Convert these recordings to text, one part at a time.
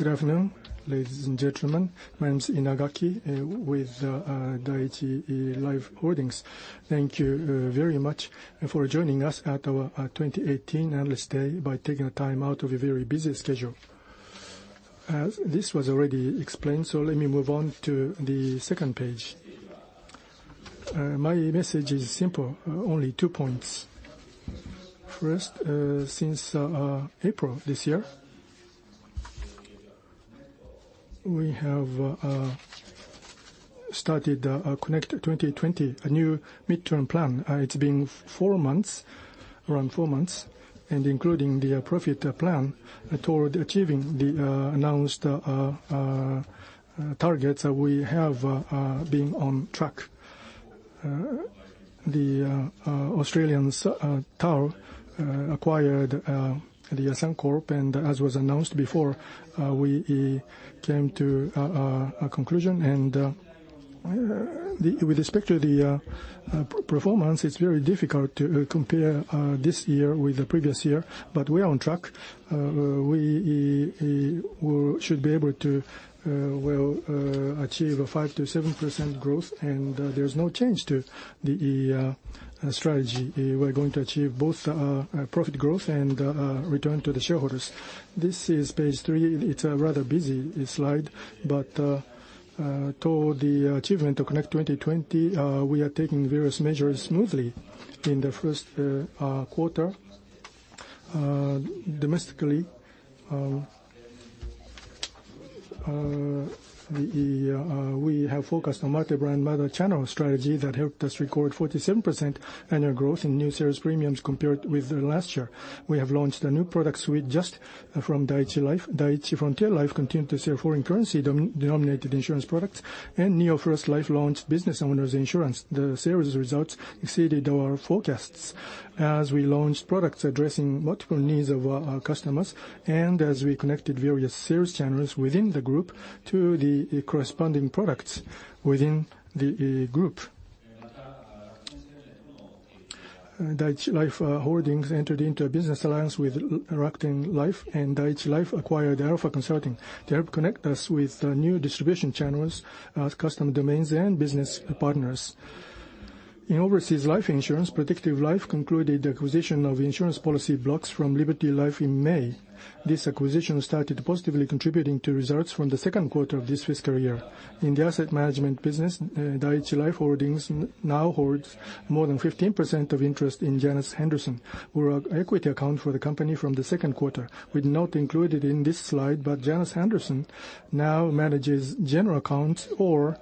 Good afternoon, ladies and gentlemen. My name is Inagaki with Dai-ichi Life Holdings. Thank you very much for joining us at our 2018 Analyst Day by taking time out of a very busy schedule. This was already explained, so let me move on to the second page. My message is simple, only two points. First, since April this year, we have started CONNECT 2020, a new medium-term plan. It's been around four months, including the profit plan toward achieving the announced targets, we have been on track. The Australian TAL acquired Suncorp, and as was announced before, we came to a conclusion and with respect to the performance, it's very difficult to compare this year with the previous year, but we are on track. We should be able to achieve a 5%-7% growth, and there's no change to the strategy. We're going to achieve both profit growth and return to the shareholders. This is page three. It's a rather busy slide, but toward the achievement of CONNECT 2020, we are taking various measures smoothly. In the first quarter, domestically, we have focused on multi-brand, multi-channel strategy that helped us record 47% annual growth in new series premiums compared with last year. We have launched a new product suite just from Dai-ichi Life. Dai-ichi Frontier Life continued to sell foreign currency-denominated insurance products, and NeoFirst Life launched business owners insurance. The sales results exceeded our forecasts as we launched products addressing multiple needs of our customers, and as we connected various sales channels within the group to the corresponding products within the group. Dai-ichi Life Holdings entered into a business alliance with Rakuten Life, and Dai-ichi Life acquired Alpha Consulting to help connect us with new distribution channels, customer domains, and business partners. In overseas life insurance, Protective Life concluded the acquisition of insurance policy blocks from Liberty Life in May. This acquisition started positively contributing to results from the second quarter of this fiscal year. In the asset management business, Dai-ichi Life Holdings now holds more than 15% of interest in Janus Henderson, who are an equity account for the company from the second quarter. We did not include it in this slide, but Janus Henderson now manages general accounts or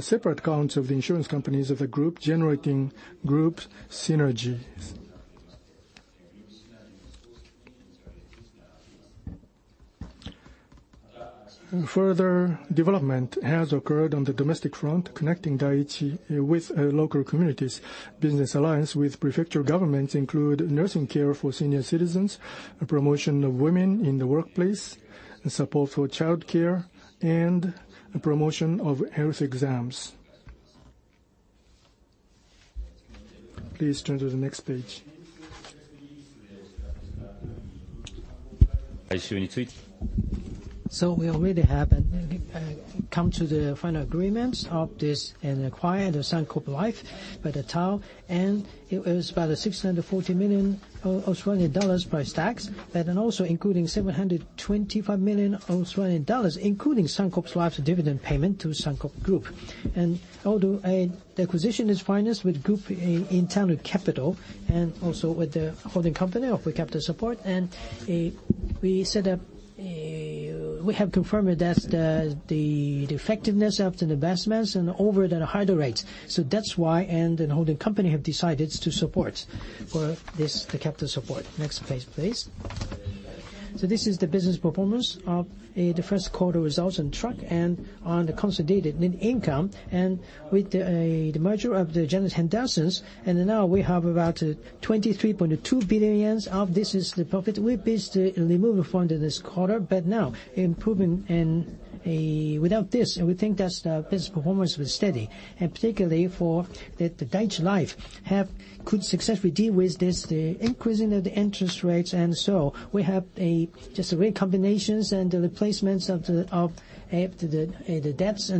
separate accounts of the insurance companies of the group, generating group synergies. Further development has occurred on the domestic front, connecting Dai-ichi with local communities. Business alliance with prefecture governments include nursing care for senior citizens, promotion of women in the workplace, support for childcare, and promotion of health exams. Please turn to the next page. We already have come to the final agreements of this and acquired Suncorp Life by TAL, and it was about 640 million Australian dollars price tag, also including 725 million Australian dollars, including Suncorp Life's dividend payment to Suncorp Group. Although the acquisition is financed with group internal capital and also with the holding company offer capital support, we have confirmed that the effectiveness of the investments and over the higher rates. That's why, the holding company have decided to support for this, the capital support. Next page, please. This is the business performance of the 1st quarter results on track and on the consolidated net income, with the merger of Janus Henderson. Now we have about 23.2 billion yen of this is the profit we based the removal from this quarter. Now improving, without this, we think that the business performance was steady. Particularly for Dai-ichi Life have could successfully deal with this, the increasing of the interest rates, we have just re-combinations and the replacements of the debts,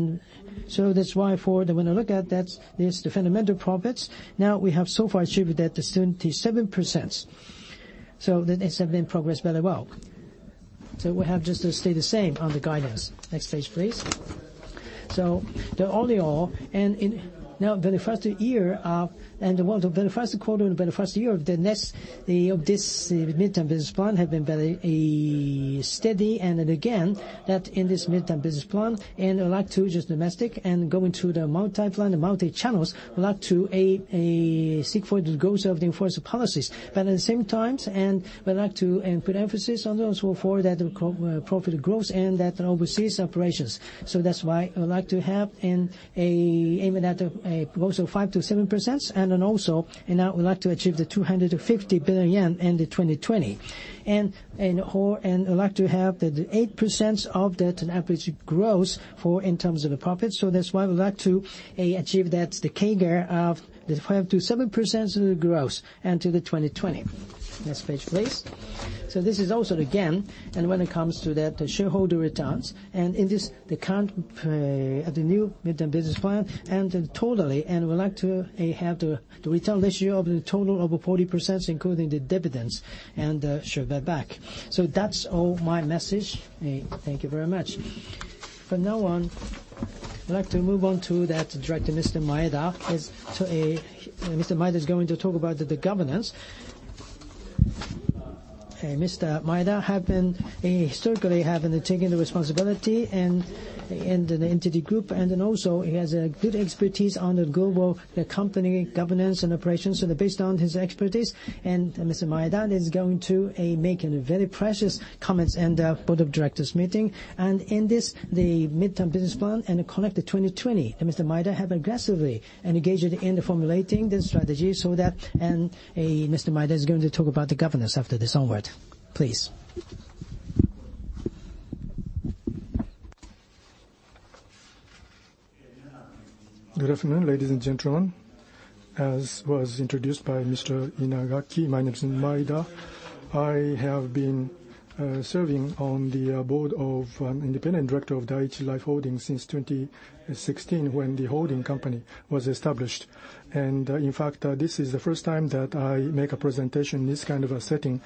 that's why for when I look at that, there's the fundamental profits. We have so far attributed that to 77%. It's been progress very well. We have just to stay the same on the guidance. Next page, please. All in all, in now the 1st year of very 1st quarter and very 1st year of this midterm business plan have been very steady. Again, that in this midterm business plan, I like to just domestic and go into the multi-plan, the multi-channels, we like to seek for the goals of the enforced policies. At the same times, we like to put emphasis on those for the profit growth and that overseas operations. That's why I would like to have in aiming at a growth of 5%-7%, I would like to achieve the 250 billion yen in 2020. I'd like to have the 8% of that average growth for in terms of the profits. That's why we like to achieve that, the CAGR of the 5%-7% of the growth into 2020. Next page, please. This is also, again, when it comes to the shareholder returns, in this, the current, the new midterm business plan, totally, we like to have the return ratio of the total over 40%, including the dividends and share buyback. That's all my message. Thank you very much. From now on, I'd like to move on to that Director Mr. Maeda. Mr. Maeda is going to talk about the governance. Mr. Maeda historically have taken the responsibility in NTT Group, he has a good expertise on the global company governance and operations. Based on his expertise, Mr. Maeda is going to make very precious comments in the board of directors meeting. In this, the midterm business plan and CONNECT 2020, Mr. Maeda have aggressively engaged in formulating the strategy. Mr. Maeda is going to talk about the governance after this onward. Please. Good afternoon, ladies and gentlemen. As was introduced by Mr. Inagaki, my name is Maeda. I have been serving on the board of independent director of Dai-ichi Life Holdings since 2016 when the holding company was established. In fact, this is the first time that I make a presentation in this kind of a setting.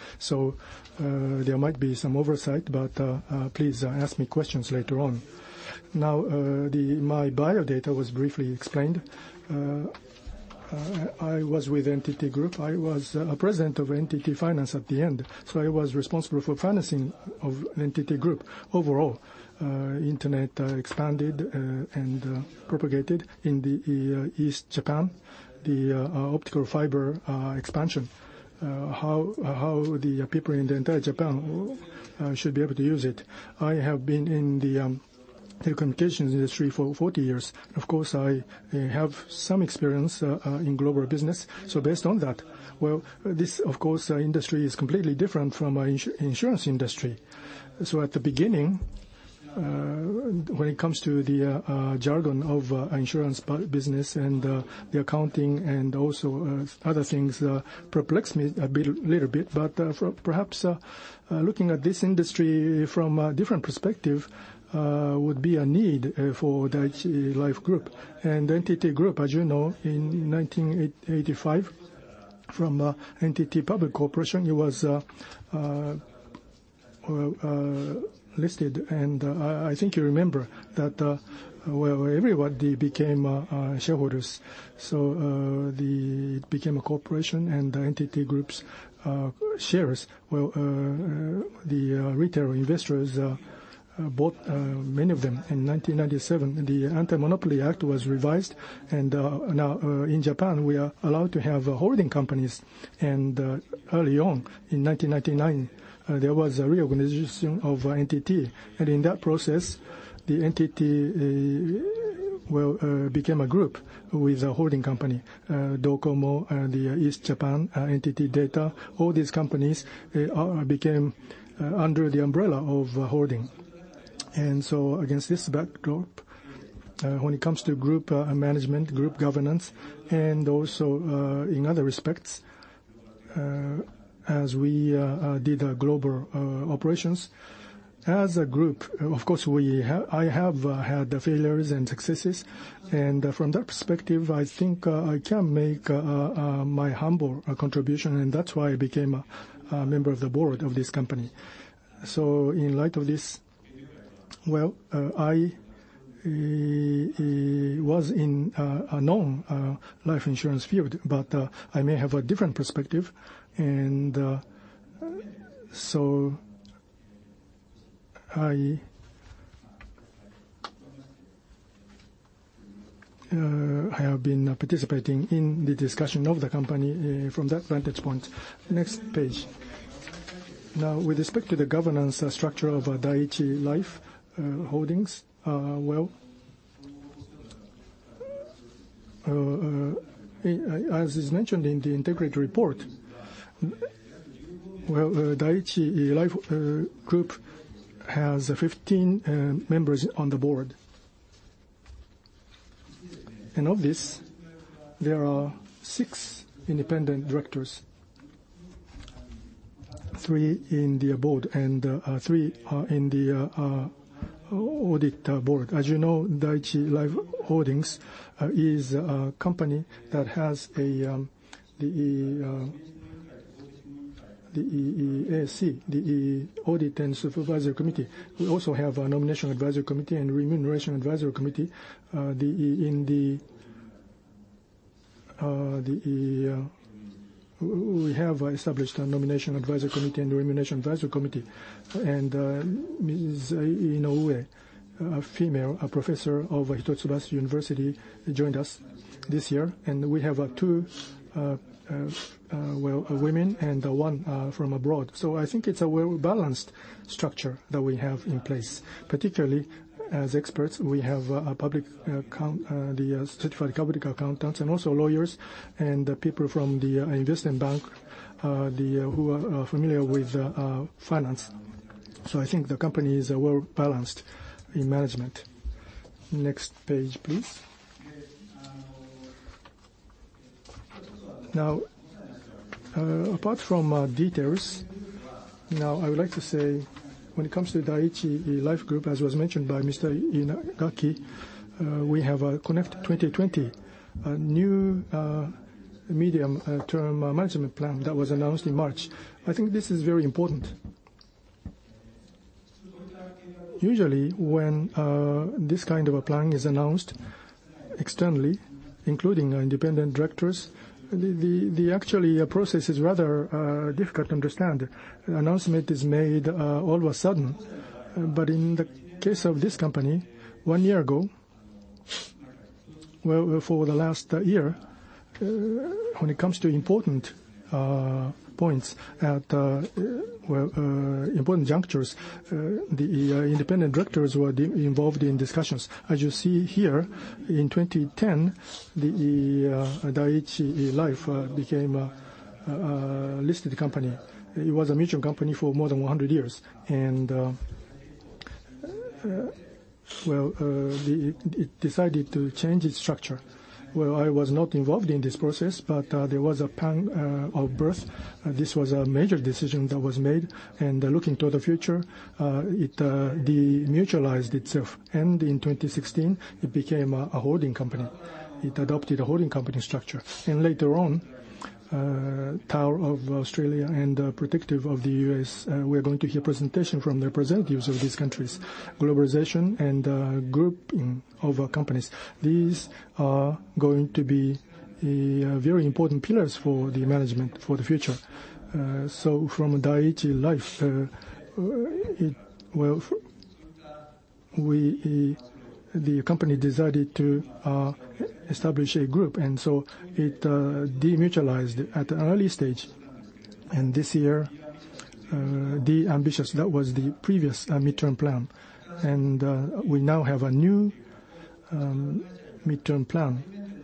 There might be some oversight, but please ask me questions later on. My biodata was briefly explained. I was with NTT Group. I was president of NTT Finance at the end. I was responsible for financing of NTT Group overall. Internet expanded and propagated in the East Japan, the optical fiber expansion, how the people in the entire Japan should be able to use it. I have been in the telecommunications industry for 40 years. Of course, I have some experience in global business. Based on that, well, this, of course, industry is completely different from insurance industry. At the beginning, when it comes to the jargon of insurance business and the accounting and also other things perplexed me a little bit. Perhaps looking at this industry from a different perspective would be a need for Dai-ichi Life Group. NTT Group, as you know, in 1985 from NTT Public Corporation, it was listed, and I think you remember that everybody became shareholders. It became a corporation and the NTT Group's shares, the retail investors bought many of them. In 1997, the Antimonopoly Act was revised, and now in Japan, we are allowed to have holding companies. Early on in 1999, there was a reorganization of NTT. In that process, the NTT became a group with a holding company. Docomo, the East Japan, NTT Data, all these companies became under the umbrella of holding. Against this backdrop, when it comes to group management, group governance, and also, in other respects, as we did global operations as a group, of course, I have had failures and successes. From that perspective, I think I can make my humble contribution, and that's why I became a member of the board of this company. In light of this, well, I was in a non-life insurance field, but I may have a different perspective. I have been participating in the discussion of the company from that vantage point. Next page. With respect to the governance structure of Dai-ichi Life Holdings, well, as is mentioned in the integrated report, Dai-ichi Life Group has 15 members on the board. Of this, there are 6 independent directors, 3 in the board and 3 are in the audit board. As you know, Dai-ichi Life Holdings is a company that has the ASC, the Audit and Supervisory Committee. We also have a Nomination Advisory Committee and Remuneration Advisory Committee. We have established a Nomination Advisory Committee and Remuneration Advisory Committee. Ms. Inoue, a female professor of Hitotsubashi University, joined us this year, and we have 2 women and 1 from abroad. I think it's a well-balanced structure that we have in place. Particularly as experts, we have the certified public accountants and also lawyers and people from the investment bank who are familiar with finance. I think the company is well balanced in management. Next page, please. Now, apart from details, I would like to say, when it comes to Dai-ichi Life Group, as was mentioned by Mr. Inagaki, we have CONNECT 2020, a new medium-term management plan that was announced in March. I think this is very important. Usually when this kind of a plan is announced externally, including independent directors, the actual process is rather difficult to understand. An announcement is made all of a sudden. In the case of this company, one year ago, for the last year, when it comes to important points, important junctures, the independent directors were involved in discussions. As you see here, in 2010, Dai-ichi Life became a listed company. It was a mutual company for more than 100 years, and it decided to change its structure. I was not involved in this process, but there was a pang of birth. This was a major decision that was made, and looking toward the future, it demutualized itself, and in 2016 it became a holding company. It adopted a holding company structure. Later on, Tower of Australia and Protective of the U.S., we're going to hear presentation from representatives of these countries. Globalization and grouping of companies, these are going to be very important pillars for the management for the future. From Dai-ichi Life, the company decided to establish a group, and so it demutualized at an early stage. This year, that was the previous midterm plan. We now have a new midterm plan.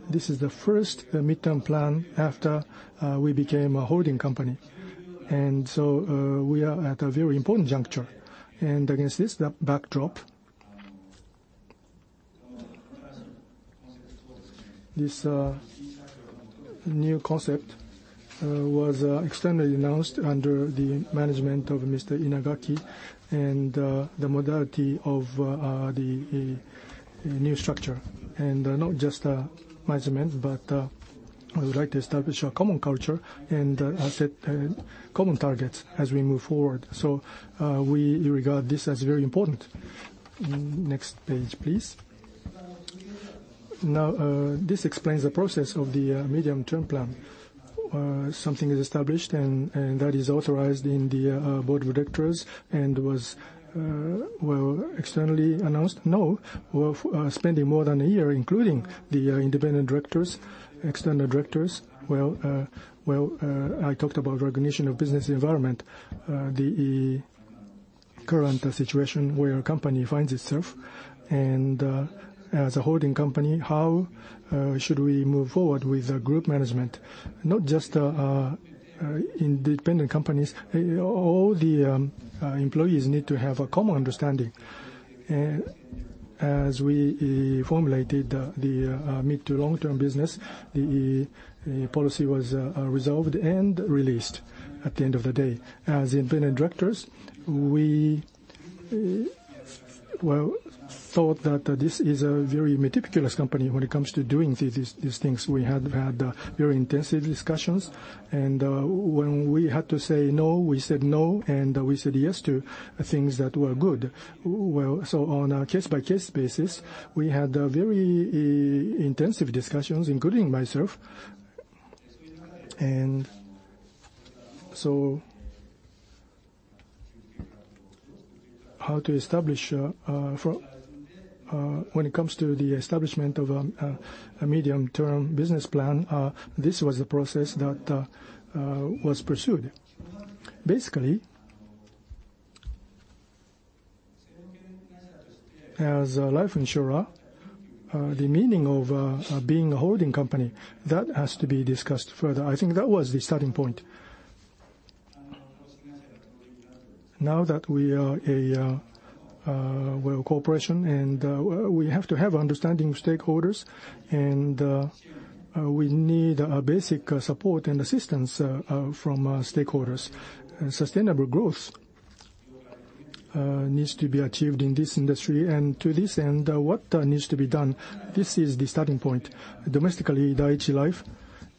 This is the first midterm plan after we became a holding company, and so we are at a very important juncture. Against this backdrop, this new concept was externally announced under the management of Mr. Inagaki and the modality of the new structure. Not just management, but I would like to establish a common culture and set common targets as we move forward. We regard this as very important. Next page, please. Now, this explains the process of the medium-term plan. Something is established, and that is authorized in the board of directors and was externally announced. Now, we're spending more than a year, including the independent directors, external directors. I talked about recognition of business environment, the current situation where a company finds itself. As a holding company, how should we move forward with group management? Not just independent companies, all the employees need to have a common understanding. As we formulated the mid to long-term business, the policy was resolved and released at the end of the day. As independent directors, we thought that this is a very meticulous company when it comes to doing these things. We had very intensive discussions, and when we had to say no, we said no, and we said yes to things that were good. On a case-by-case basis, we had very intensive discussions, including myself. When it comes to the establishment of a medium-term business plan, this was the process that was pursued. Basically, as a life insurer, the meaning of being a holding company, that has to be discussed further. I think that was the starting point. Now that we are a corporation, and we have to have understanding of stakeholders, and we need basic support and assistance from stakeholders. Sustainable growth needs to be achieved in this industry. To this end, what needs to be done? This is the starting point. Domestically, Dai-ichi Life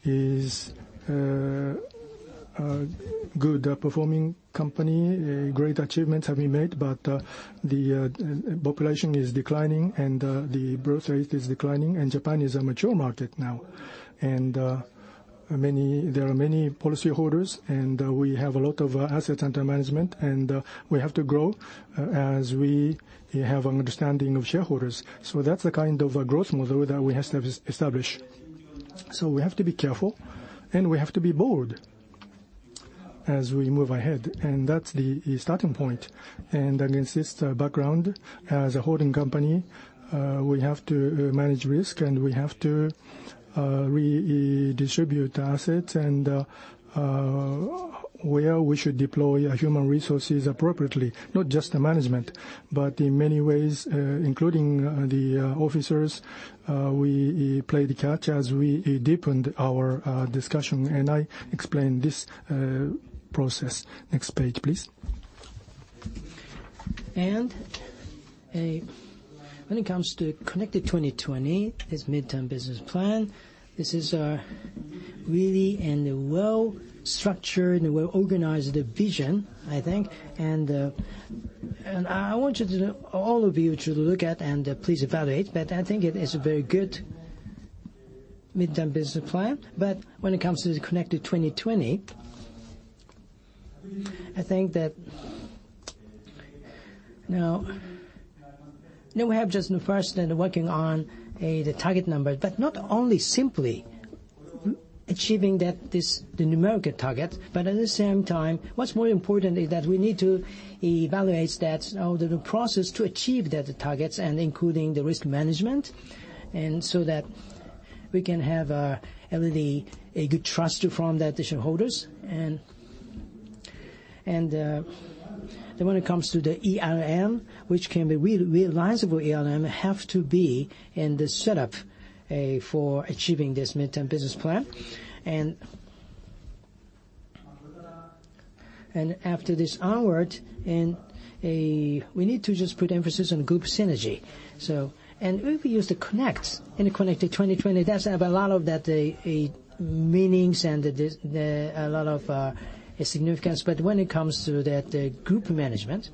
is a good performing company. Great achievements have been made. The population is declining. The birthrate is declining. Japan is a mature market now. There are many policyholders. We have a lot of assets under management. We have to grow as we have an understanding of shareholders. That's the kind of growth model that we have to establish. We have to be careful. We have to be bold as we move ahead. That's the starting point. Against this background, as a holding company, we have to manage risk. We have to redistribute assets and where we should deploy our human resources appropriately. Not just the management, but in many ways, including the officers. We play the catch as we deepened our discussion. I explained this process. Next page, please. And When it comes to CONNECT 2020, this midterm business plan, this is really well-structured and well-organized vision, I think. I want all of you to look at and please evaluate. I think it is a very good midterm business plan. When it comes to the CONNECT 2020, I think that now we have just first working on the target number. Not only simply achieving the numerical target, but at the same time, what's more important is that we need to evaluate the process to achieve the targets, including the risk management, so that we can have a really good trust from the shareholders. When it comes to the ERM, which can be realizable ERM, has to be in the setup for achieving this midterm business plan. After this onward, we need to just put emphasis on group synergy. If we use the connect in CONNECT 2020, that has a lot of meanings and a lot of significance. When it comes to group management,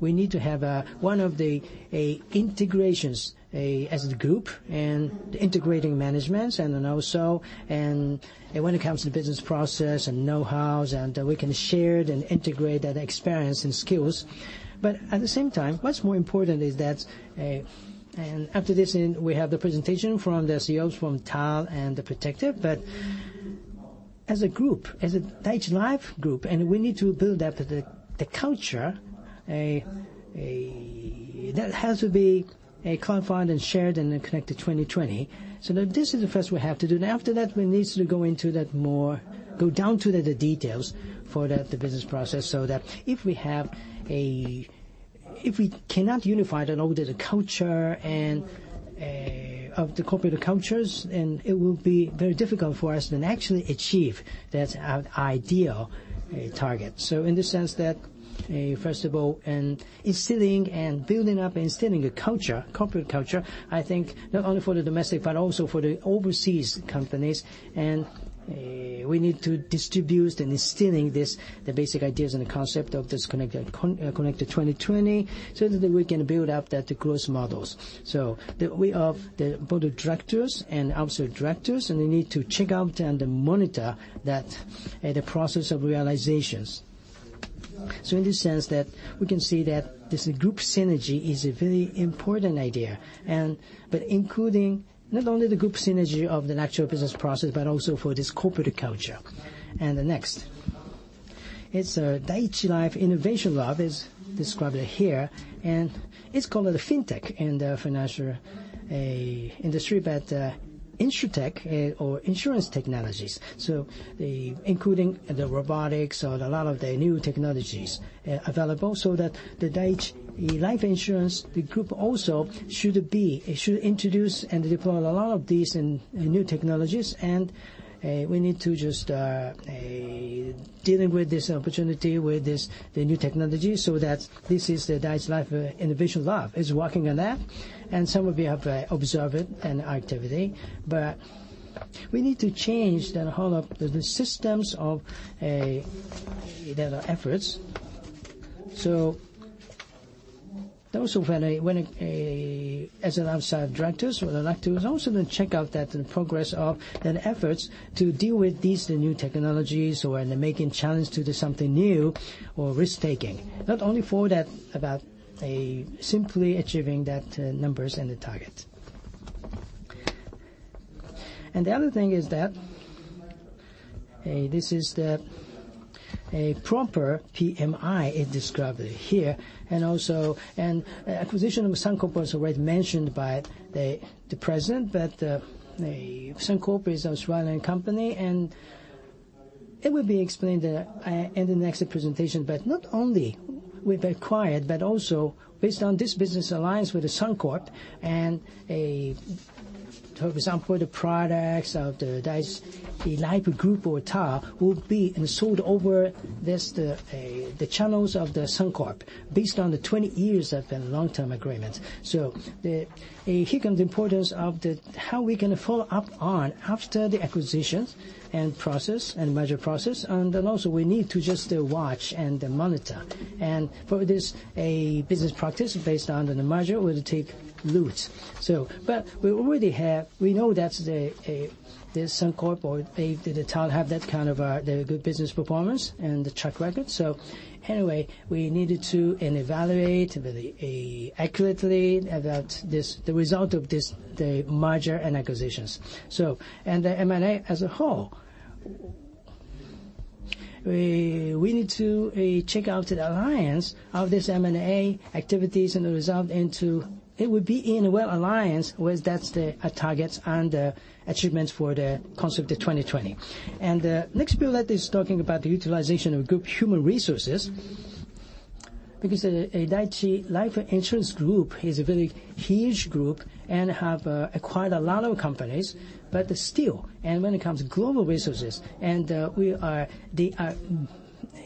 we need to have one of the integrations as the group and integrating management. Also when it comes to business process and know-hows, we can share it and integrate that experience and skills. At the same time, what's more important is that after this, we have the presentation from the CEOs from TAL and Protective. As a group, as a Dai-ichi Life Group, we need to build up the culture that has to be confined and shared in the CONNECT 2020. This is the first we have to do. After that, we need to go down to the details for the business process. If we cannot unify the culture of the corporate cultures, it will be very difficult for us to actually achieve that ideal target. In the sense that, first of all, instilling and building up and instilling a culture, corporate culture, I think not only for the domestic but also for the overseas companies, we need to distribute and instill the basic ideas and the concept of this CONNECT 2020 so that we can build up the growth models. Board of directors and also directors, they need to check out and monitor the process of realizations. In the sense that we can see that this group synergy is a very important idea, but including not only the group synergy of the natural business process, but also for this corporate culture. The next. It is Dai-ichi Life Innovation Lab is described here, and it is called the FinTech in the financial industry. InsurTech or insurance technologies. Including the robotics or a lot of the new technologies available so that the Dai-ichi Life Group also should introduce and deploy a lot of these new technologies. We need to just deal with this opportunity with the new technology so that this is the Dai-ichi Life Innovation Lab is working on that. Some of you have observed its activity. We need to change the whole of the systems of their efforts. Also as an outside director, I would like to also check out the progress of the efforts to deal with these new technologies who are making challenge to do something new or risk taking, not only for simply achieving that numbers and the target. The other thing is that this is the proper PMI is described here. Acquisition of Suncorp was already mentioned by the President, but Suncorp is an Australian company, and it will be explained in the next presentation. Not only we've acquired, but also based on this business alliance with Suncorp, for example, the products of the Dai-ichi Life Group or TAL will be sold over the channels of Suncorp based on the 20 years of the long-term agreement. Here comes the importance of how we can follow up on after the acquisitions and process and merger process. Also we need to just watch and monitor. For this business practice based on the merger will take roots. We know that Suncorp or TAL have that kind of good business performance and track record. Anyway, we needed to evaluate accurately the result of the merger and acquisitions. The M&A as a whole. We need to check out the alliance of this M&A activities, and it would be in well alliance with the targets and achievements for the CONNECT 2020. The next bullet is talking about the utilization of group human resources. Because Dai-ichi Life Group is a very huge group and have acquired a lot of companies. Still, when it comes to global resources,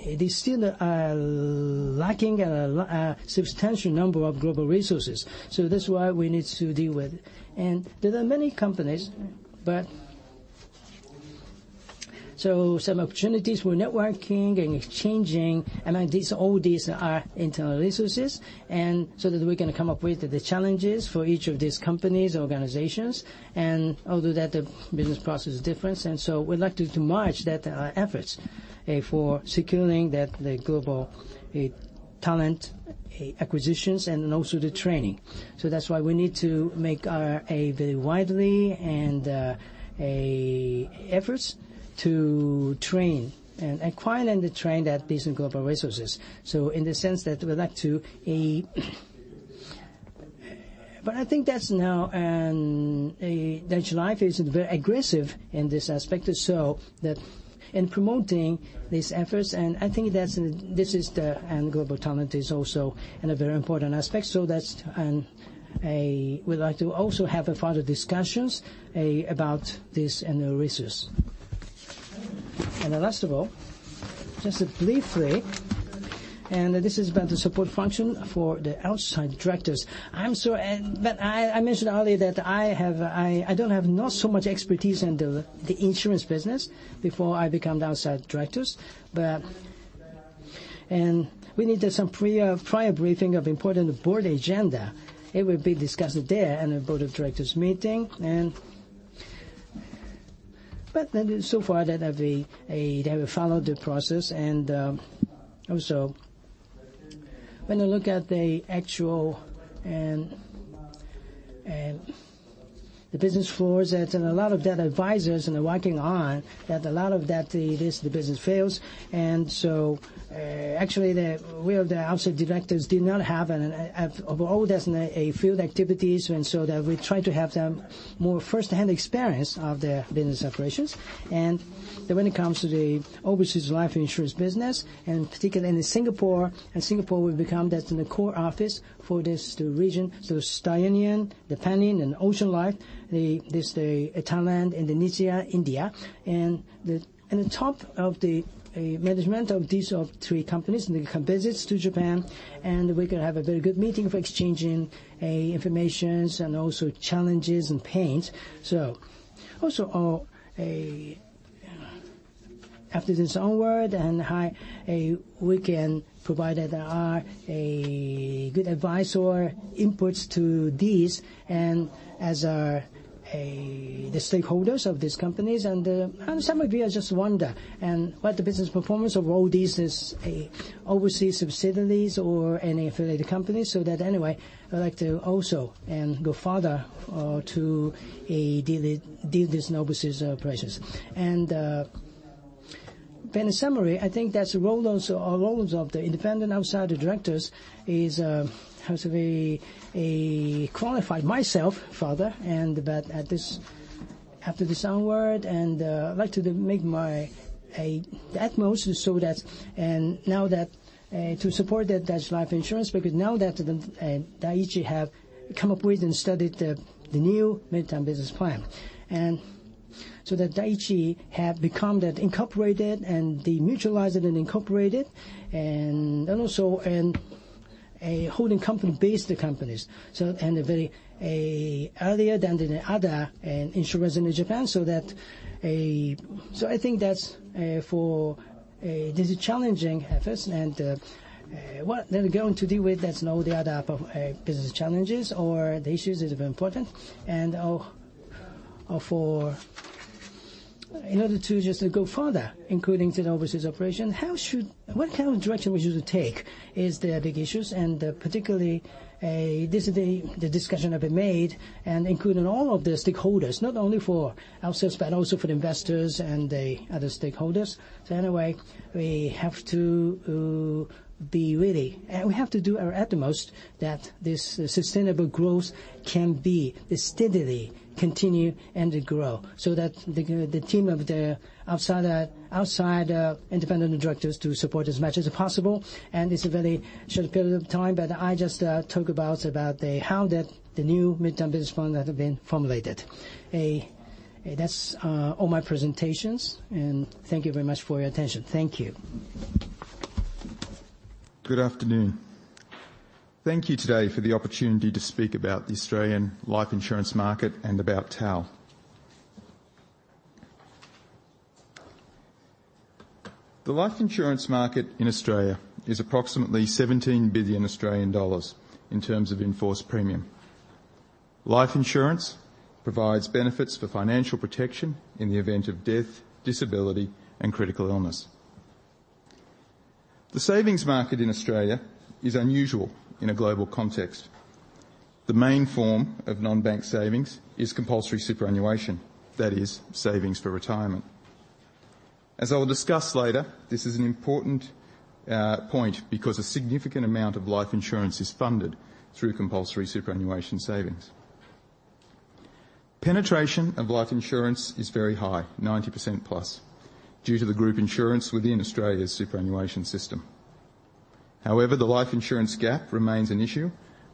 it is still lacking a substantial number of global resources. That's why we need to deal with it. There are many companies. Some opportunities for networking and exchanging. All these are internal resources, and so that we can come up with the challenges for each of these companies, organizations, and although that the business process is different. We'd like to merge our efforts for securing the global talent acquisitions and also the training. That's why we need to make our widely and efforts to train and acquire and train these global resources. I think that's now, Dai-ichi Life is very aggressive in this aspect or so that in promoting these efforts, and I think this is the global talent is also a very important aspect. That's we'd like to also have further discussions about this resource. Last of all, just briefly, and this is about the support function for the outside directors. I mentioned earlier that I don't have so much expertise in the insurance business before I become the outside director. We need some prior briefing of important board agenda. It will be discussed there in a board of directors meeting. So far they have followed the process. Also when you look at the actual business floors, that a lot of advisors are working on, that a lot of this business fails. Actually, the outside directors did not have all those field activities. We try to have them more first-hand experience of the business operations. When it comes to the overseas life insurance business, and particularly in Singapore, and Singapore will become the core office for this region. Australian, the Panin and Ocean Life, Thailand, Indonesia, India. The top of the management of these three companies make visits to Japan, and we can have a very good meeting for exchanging informations and also challenges and pains. Also, after this onward, we can provide good advice or inputs to these as the stakeholders of these companies. Some of you just wonder about the business performance of all these overseas subsidiaries or any affiliated companies. Anyway, I'd like to also go further to deal with these overseas operations. In summary, I think that the roles of the independent outside directors is how to qualify myself further. After this onward, and I'd like to make my utmost to support that life insurance because now that Dai-ichi have come up with and studied the new midterm business plan. Dai-ichi have become that incorporated and demutualize it and incorporate it, and also a holding company based companies. A very earlier than the other insurance in Japan. I think that for these challenging efforts and what they're going to deal with, that's all the other business challenges or the issues is very important. In order to just go further, including to the overseas operation, what kind of direction we should take is the big issues. Particularly this is the discussion have been made and including all of the stakeholders, not only for ourselves, but also for the investors and the other stakeholders. Anyway, we have to be ready, and we have to do our utmost that this sustainable growth can be steadily continue and grow so that the team of the outside independent directors to support as much as possible. It's a very short period of time, I just talk about how that the new midterm business plan that have been formulated. That's all my presentations, thank you very much for your attention. Thank you. Good afternoon. Thank you today for the opportunity to speak about the Australian life insurance market and about TAL. The life insurance market in Australia is approximately 17 billion Australian dollars in terms of enforced premium. Life insurance provides benefits for financial protection in the event of death, disability, and critical illness. The savings market in Australia is unusual in a global context. The main form of non-bank savings is compulsory superannuation, that is savings for retirement. As I will discuss later, this is an important point because a significant amount of life insurance is funded through compulsory superannuation savings. Penetration of life insurance is very high, 90% plus, due to the group insurance within Australia's superannuation system. However, the life insurance gap remains an issue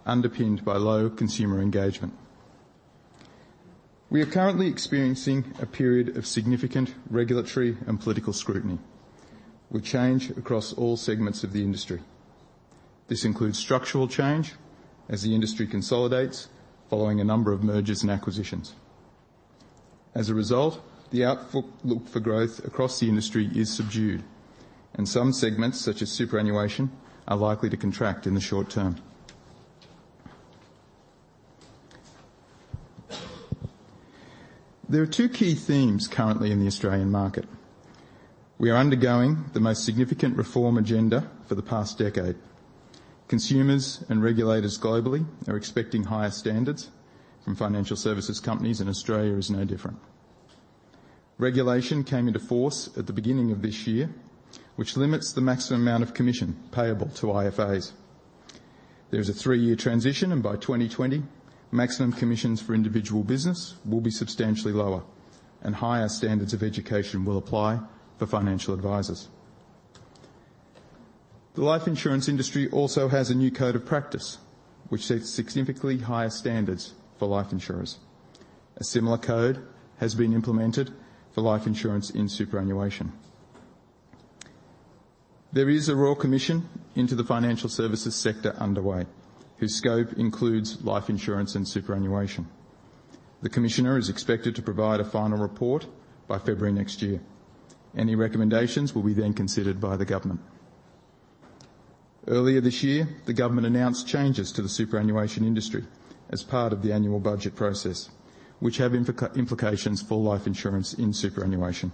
underpinned by low consumer engagement. We are currently experiencing a period of significant regulatory and political scrutiny with change across all segments of the industry. This includes structural change as the industry consolidates following a number of mergers and acquisitions. As a result, the outlook for growth across the industry is subdued, some segments, such as superannuation, are likely to contract in the short term. There are two key themes currently in the Australian market. We are undergoing the most significant reform agenda for the past decade. Consumers and regulators globally are expecting higher standards from financial services companies and Australia is no different. Regulation came into force at the beginning of this year, which limits the maximum amount of commission payable to IFAs. There is a 3-year transition, by 2020, maximum commissions for individual business will be substantially lower, higher standards of education will apply for financial advisors. The life insurance industry also has a new code of practice, which sets significantly higher standards for life insurers. A similar code has been implemented for life insurance in superannuation. There is a Royal Commission into the financial services sector underway, whose scope includes life insurance and superannuation. The commissioner is expected to provide a final report by February next year. Any recommendations will be then considered by the government. Earlier this year, the government announced changes to the superannuation industry as part of the annual budget process, which have implications for life insurance in superannuation.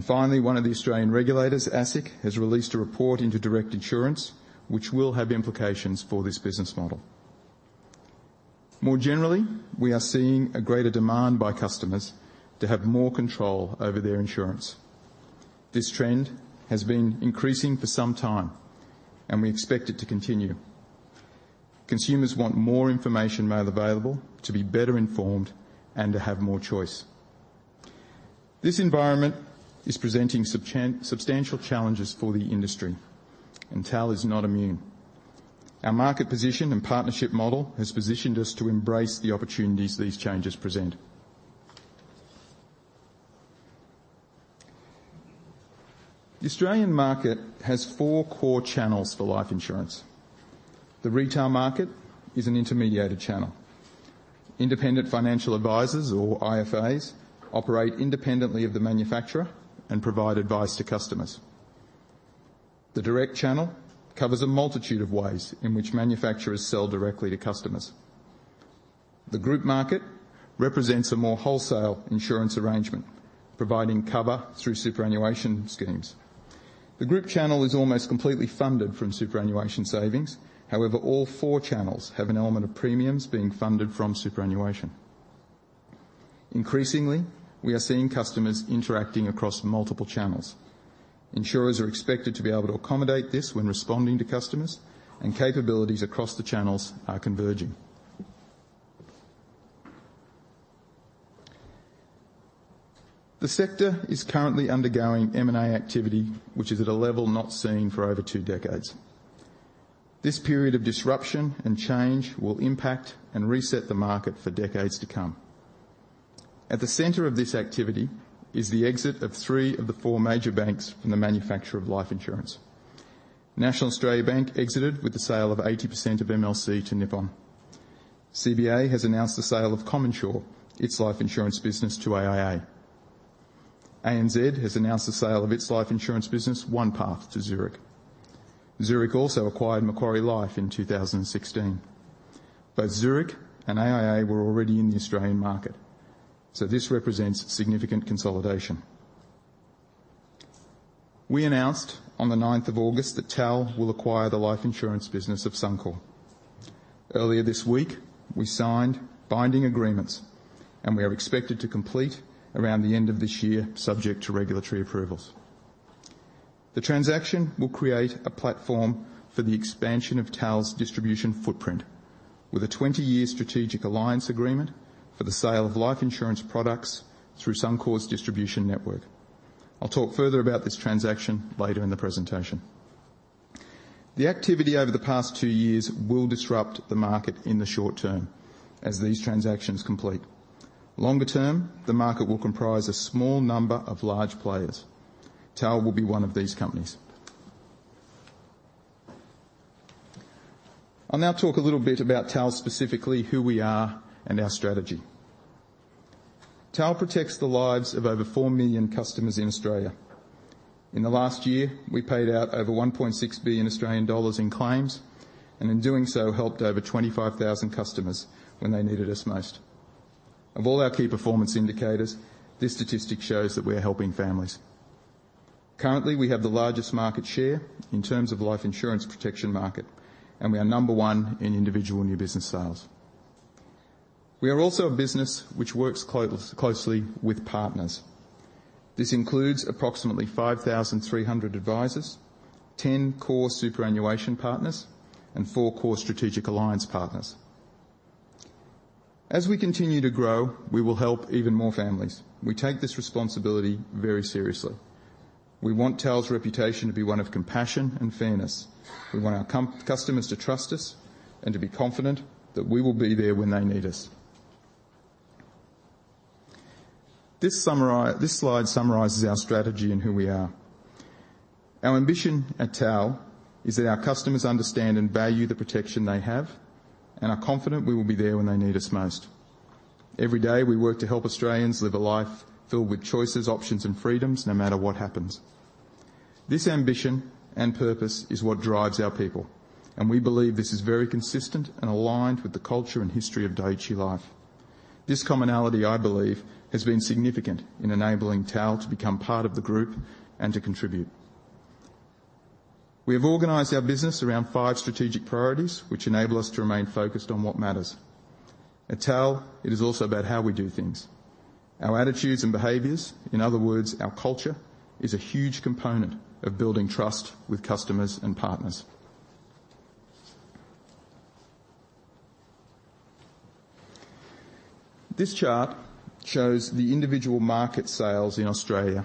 Finally, one of the Australian regulators, ASIC, has released a report into direct insurance, which will have implications for this business model. More generally, we are seeing a greater demand by customers to have more control over their insurance. This trend has been increasing for some time, we expect it to continue. Consumers want more information made available to be better informed and to have more choice. This environment is presenting substantial challenges for the industry, TAL is not immune. Our market position and partnership model has positioned us to embrace the opportunities these changes present. The Australian market has four core channels for life insurance. The retail market is an intermediated channel. Independent financial advisors or IFAs operate independently of the manufacturer and provide advice to customers. The direct channel covers a multitude of ways in which manufacturers sell directly to customers. The group market represents a more wholesale insurance arrangement, providing cover through superannuation schemes. The group channel is almost completely funded from superannuation savings. All four channels have an element of premiums being funded from superannuation. Increasingly, we are seeing customers interacting across multiple channels. Insurers are expected to be able to accommodate this when responding to customers, capabilities across the channels are converging. The sector is currently undergoing M&A activity, which is at a level not seen for over two decades. This period of disruption and change will impact and reset the market for decades to come. At the center of this activity is the exit of three of the four major banks from the manufacture of life insurance. National Australia Bank exited with the sale of 80% of MLC to Nippon. CBA has announced the sale of CommInsure, its life insurance business to AIA. ANZ has announced the sale of its life insurance business, OnePath, to Zurich. Zurich also acquired Macquarie Life in 2016. Both Zurich and AIA were already in the Australian market, this represents significant consolidation. We announced on the 9th of August that TAL will acquire the life insurance business of Suncorp. Earlier this week, we signed binding agreements, we are expected to complete around the end of this year, subject to regulatory approvals. The transaction will create a platform for the expansion of TAL's distribution footprint with a 20-year strategic alliance agreement for the sale of life insurance products through Suncorp's distribution network. I'll talk further about this transaction later in the presentation. The activity over the past two years will disrupt the market in the short term as these transactions complete. Longer term, the market will comprise a small number of large players. TAL will be one of these companies. I'll now talk a little bit about TAL specifically, who we are and our strategy. TAL protects the lives of over four million customers in Australia. In the last year, we paid out over 1.6 billion Australian dollars in claims, in doing so, helped over 25,000 customers when they needed us most. Of all our key performance indicators, this statistic shows that we are helping families. Currently, we have the largest market share in terms of life insurance protection market, we are number one in individual new business sales. We are also a business which works closely with partners. This includes approximately 5,300 advisors, 10 core superannuation partners, and four core strategic alliance partners. As we continue to grow, we will help even more families. We take this responsibility very seriously. We want TAL's reputation to be one of compassion and fairness. We want our customers to trust us and to be confident that we will be there when they need us. This slide summarizes our strategy and who we are. Our ambition at TAL is that our customers understand and value the protection they have and are confident we will be there when they need us most. Every day, we work to help Australians live a life filled with choices, options, and freedoms, no matter what happens. This ambition and purpose is what drives our people, and we believe this is very consistent and aligned with the culture and history of Dai-ichi Life. This commonality, I believe, has been significant in enabling TAL to become part of the group and to contribute. We have organized our business around five strategic priorities, which enable us to remain focused on what matters. At TAL, it is also about how we do things. Our attitudes and behaviors, in other words, our culture, is a huge component of building trust with customers and partners. This chart shows the individual market sales in Australia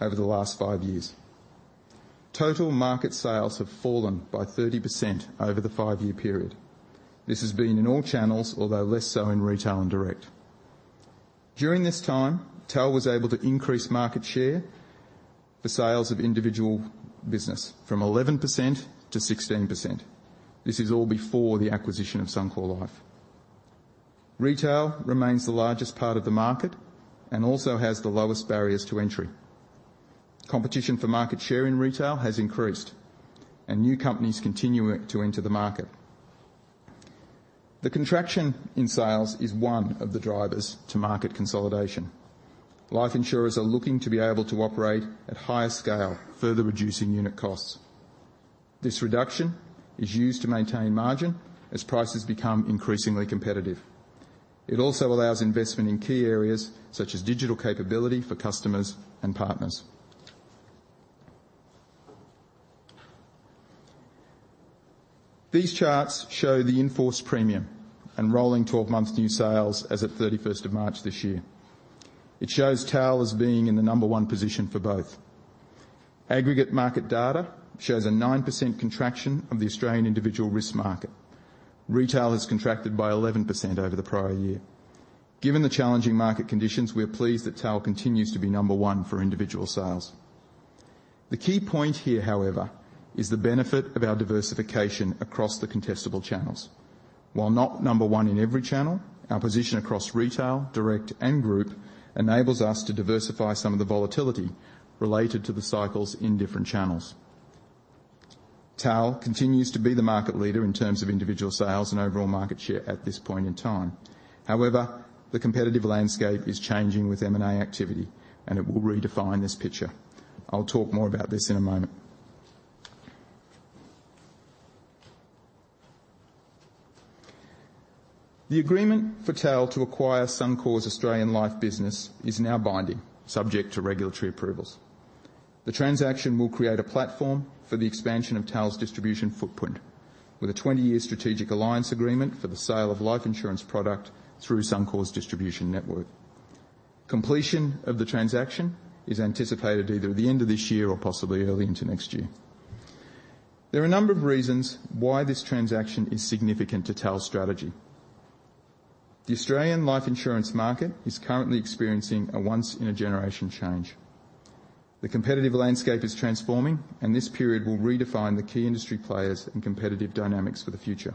over the last five years. Total market sales have fallen by 30% over the five-year period. This has been in all channels, although less so in retail and direct. During this time, TAL was able to increase market share for sales of individual business from 11% to 16%. This is all before the acquisition of Suncorp Life. Retail remains the largest part of the market and also has the lowest barriers to entry. Competition for market share in retail has increased, and new companies continue to enter the market. The contraction in sales is one of the drivers to market consolidation. Life insurers are looking to be able to operate at higher scale, further reducing unit costs. This reduction is used to maintain margin as prices become increasingly competitive. It also allows investment in key areas such as digital capability for customers and partners. These charts show the in-force premium and rolling 12 months new sales as at 31st of March this year. It shows TAL as being in the number one position for both. Aggregate market data shows a 9% contraction of the Australian individual risk market. Retail has contracted by 11% over the prior year. Given the challenging market conditions, we are pleased that TAL continues to be number one for individual sales. The key point here, however, is the benefit of our diversification across the contestable channels. While not number one in every channel, our position across retail, direct, and group enables us to diversify some of the volatility related to the cycles in different channels. TAL continues to be the market leader in terms of individual sales and overall market share at this point in time. However, the competitive landscape is changing with M&A activity, and it will redefine this picture. I will talk more about this in a moment. The agreement for TAL to acquire Suncorp Life is now binding, subject to regulatory approvals. The transaction will create a platform for the expansion of TAL's distribution footprint with a 20-year strategic alliance agreement for the sale of life insurance product through Suncorp's distribution network. Completion of the transaction is anticipated either at the end of this year or possibly early into next year. There are a number of reasons why this transaction is significant to TAL's strategy. The Australian life insurance market is currently experiencing a once in a generation change. The competitive landscape is transforming. This period will redefine the key industry players and competitive dynamics for the future.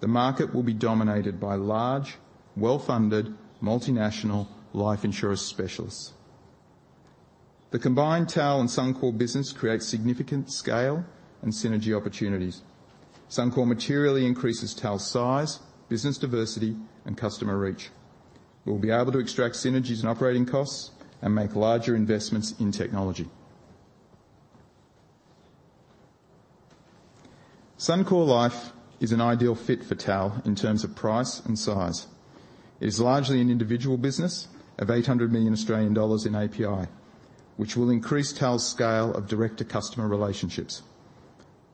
The market will be dominated by large, well-funded, multinational life insurance specialists. The combined TAL and Suncorp business creates significant scale and synergy opportunities. Suncorp materially increases TAL's size, business diversity, and customer reach. We'll be able to extract synergies and operating costs and make larger investments in technology. Suncorp Life is an ideal fit for TAL in terms of price and size. It is largely an individual business of 800 million Australian dollars in API, which will increase TAL's scale of direct to customer relationships.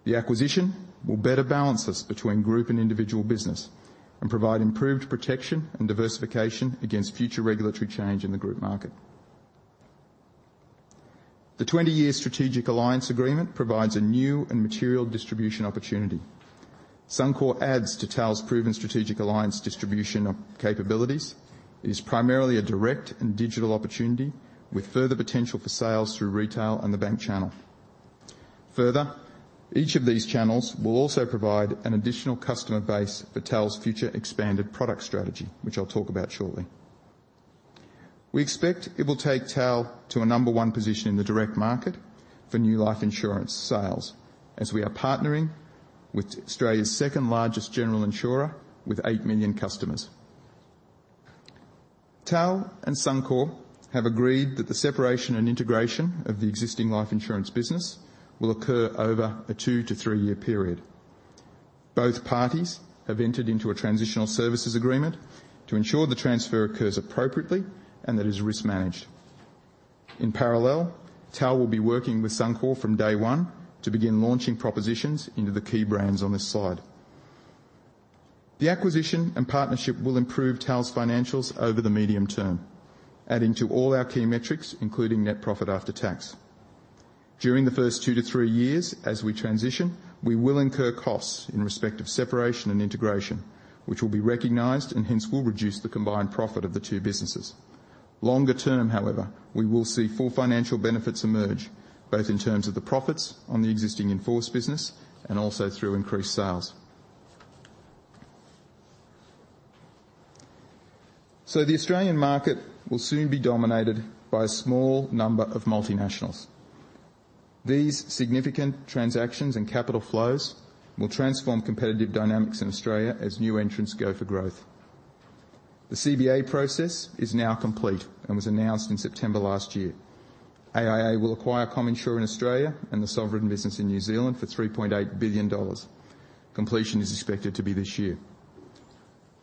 The acquisition will better balance us between group and individual business and provide improved protection and diversification against future regulatory change in the group market. The 20-year strategic alliance agreement provides a new and material distribution opportunity. Suncorp adds to TAL's proven strategic alliance distribution capabilities. It is primarily a direct and digital opportunity with further potential for sales through retail and the bank channel. Further, each of these channels will also provide an additional customer base for TAL's future expanded product strategy, which I'll talk about shortly. We expect it will take TAL to a number 1 position in the direct market for new life insurance sales as we are partnering with Australia's second largest general insurer with eight million customers. TAL and Suncorp have agreed that the separation and integration of the existing life insurance business will occur over a two to three-year period. Both parties have entered into a transitional services agreement to ensure the transfer occurs appropriately and that it is risk managed. In parallel, TAL will be working with Suncorp from day one to begin launching propositions into the key brands on this slide. The acquisition and partnership will improve TAL's financials over the medium term, adding to all our key metrics, including net profit after tax. During the first two to three years, as we transition, we will incur costs in respect of separation and integration, which will be recognized and hence will reduce the combined profit of the two businesses. Longer term, however, we will see full financial benefits emerge, both in terms of the profits on the existing in-force business and also through increased sales. The Australian market will soon be dominated by a small number of multinationals. These significant transactions and capital flows will transform competitive dynamics in Australia as new entrants go for growth. The CBA process is now complete and was announced in September last year. AIA will acquire CommInsure in Australia and the Sovereign business in New Zealand for 3.8 billion dollars. Completion is expected to be this year.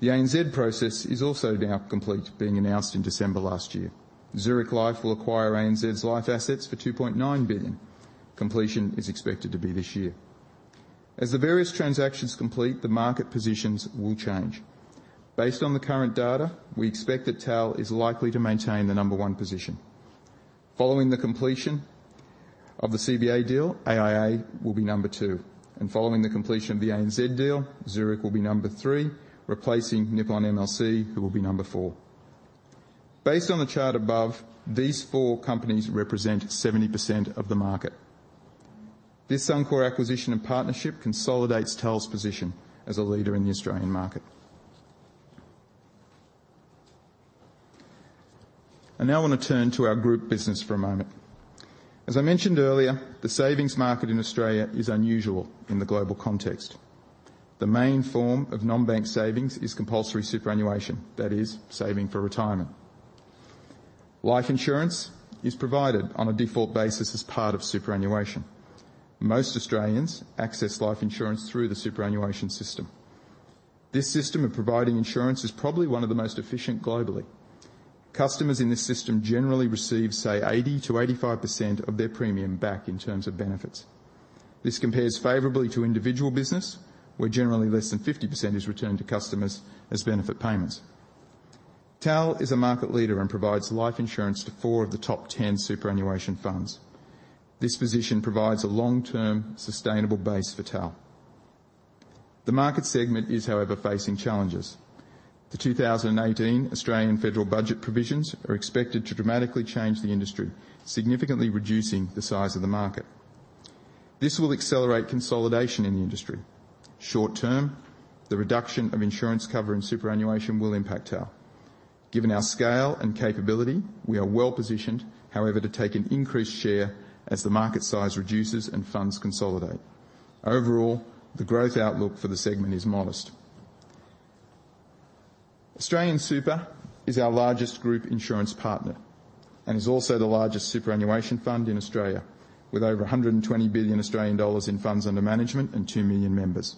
The ANZ process is also now complete, being announced in December last year. Zurich Life will acquire ANZ's life assets for 2.9 billion. Completion is expected to be this year. As the various transactions complete, the market positions will change. Based on the current data, we expect that TAL is likely to maintain the number 1 position. Following the completion of the CBA deal, AIA will be number 2, and following the completion of the ANZ deal, Zurich will be number 3, replacing Nippon MLC, who will be number 4. Based on the chart above, these four companies represent 70% of the market. This Suncorp acquisition and partnership consolidates TAL's position as a leader in the Australian market. I now want to turn to our group business for a moment. As I mentioned earlier, the savings market in Australia is unusual in the global context. The main form of non-bank savings is compulsory superannuation, that is, saving for retirement. Life insurance is provided on a default basis as part of superannuation. Most Australians access life insurance through the superannuation system. This system of providing insurance is probably one of the most efficient globally. Customers in this system generally receive, say, 80%-85% of their premium back in terms of benefits. This compares favorably to individual business, where generally less than 50% is returned to customers as benefit payments. TAL is a market leader and provides life insurance to four of the top 10 superannuation funds. This position provides a long-term sustainable base for TAL. The market segment is, however, facing challenges. The 2018 Australian Federal Budget provisions are expected to dramatically change the industry, significantly reducing the size of the market. This will accelerate consolidation in the industry. Short term, the reduction of insurance cover and superannuation will impact TAL. Given our scale and capability, we are well-positioned, however, to take an increased share as the market size reduces and funds consolidate. Overall, the growth outlook for the segment is modest. AustralianSuper is our largest group insurance partner and is also the largest superannuation fund in Australia, with over 120 billion Australian dollars in funds under management and 2 million members.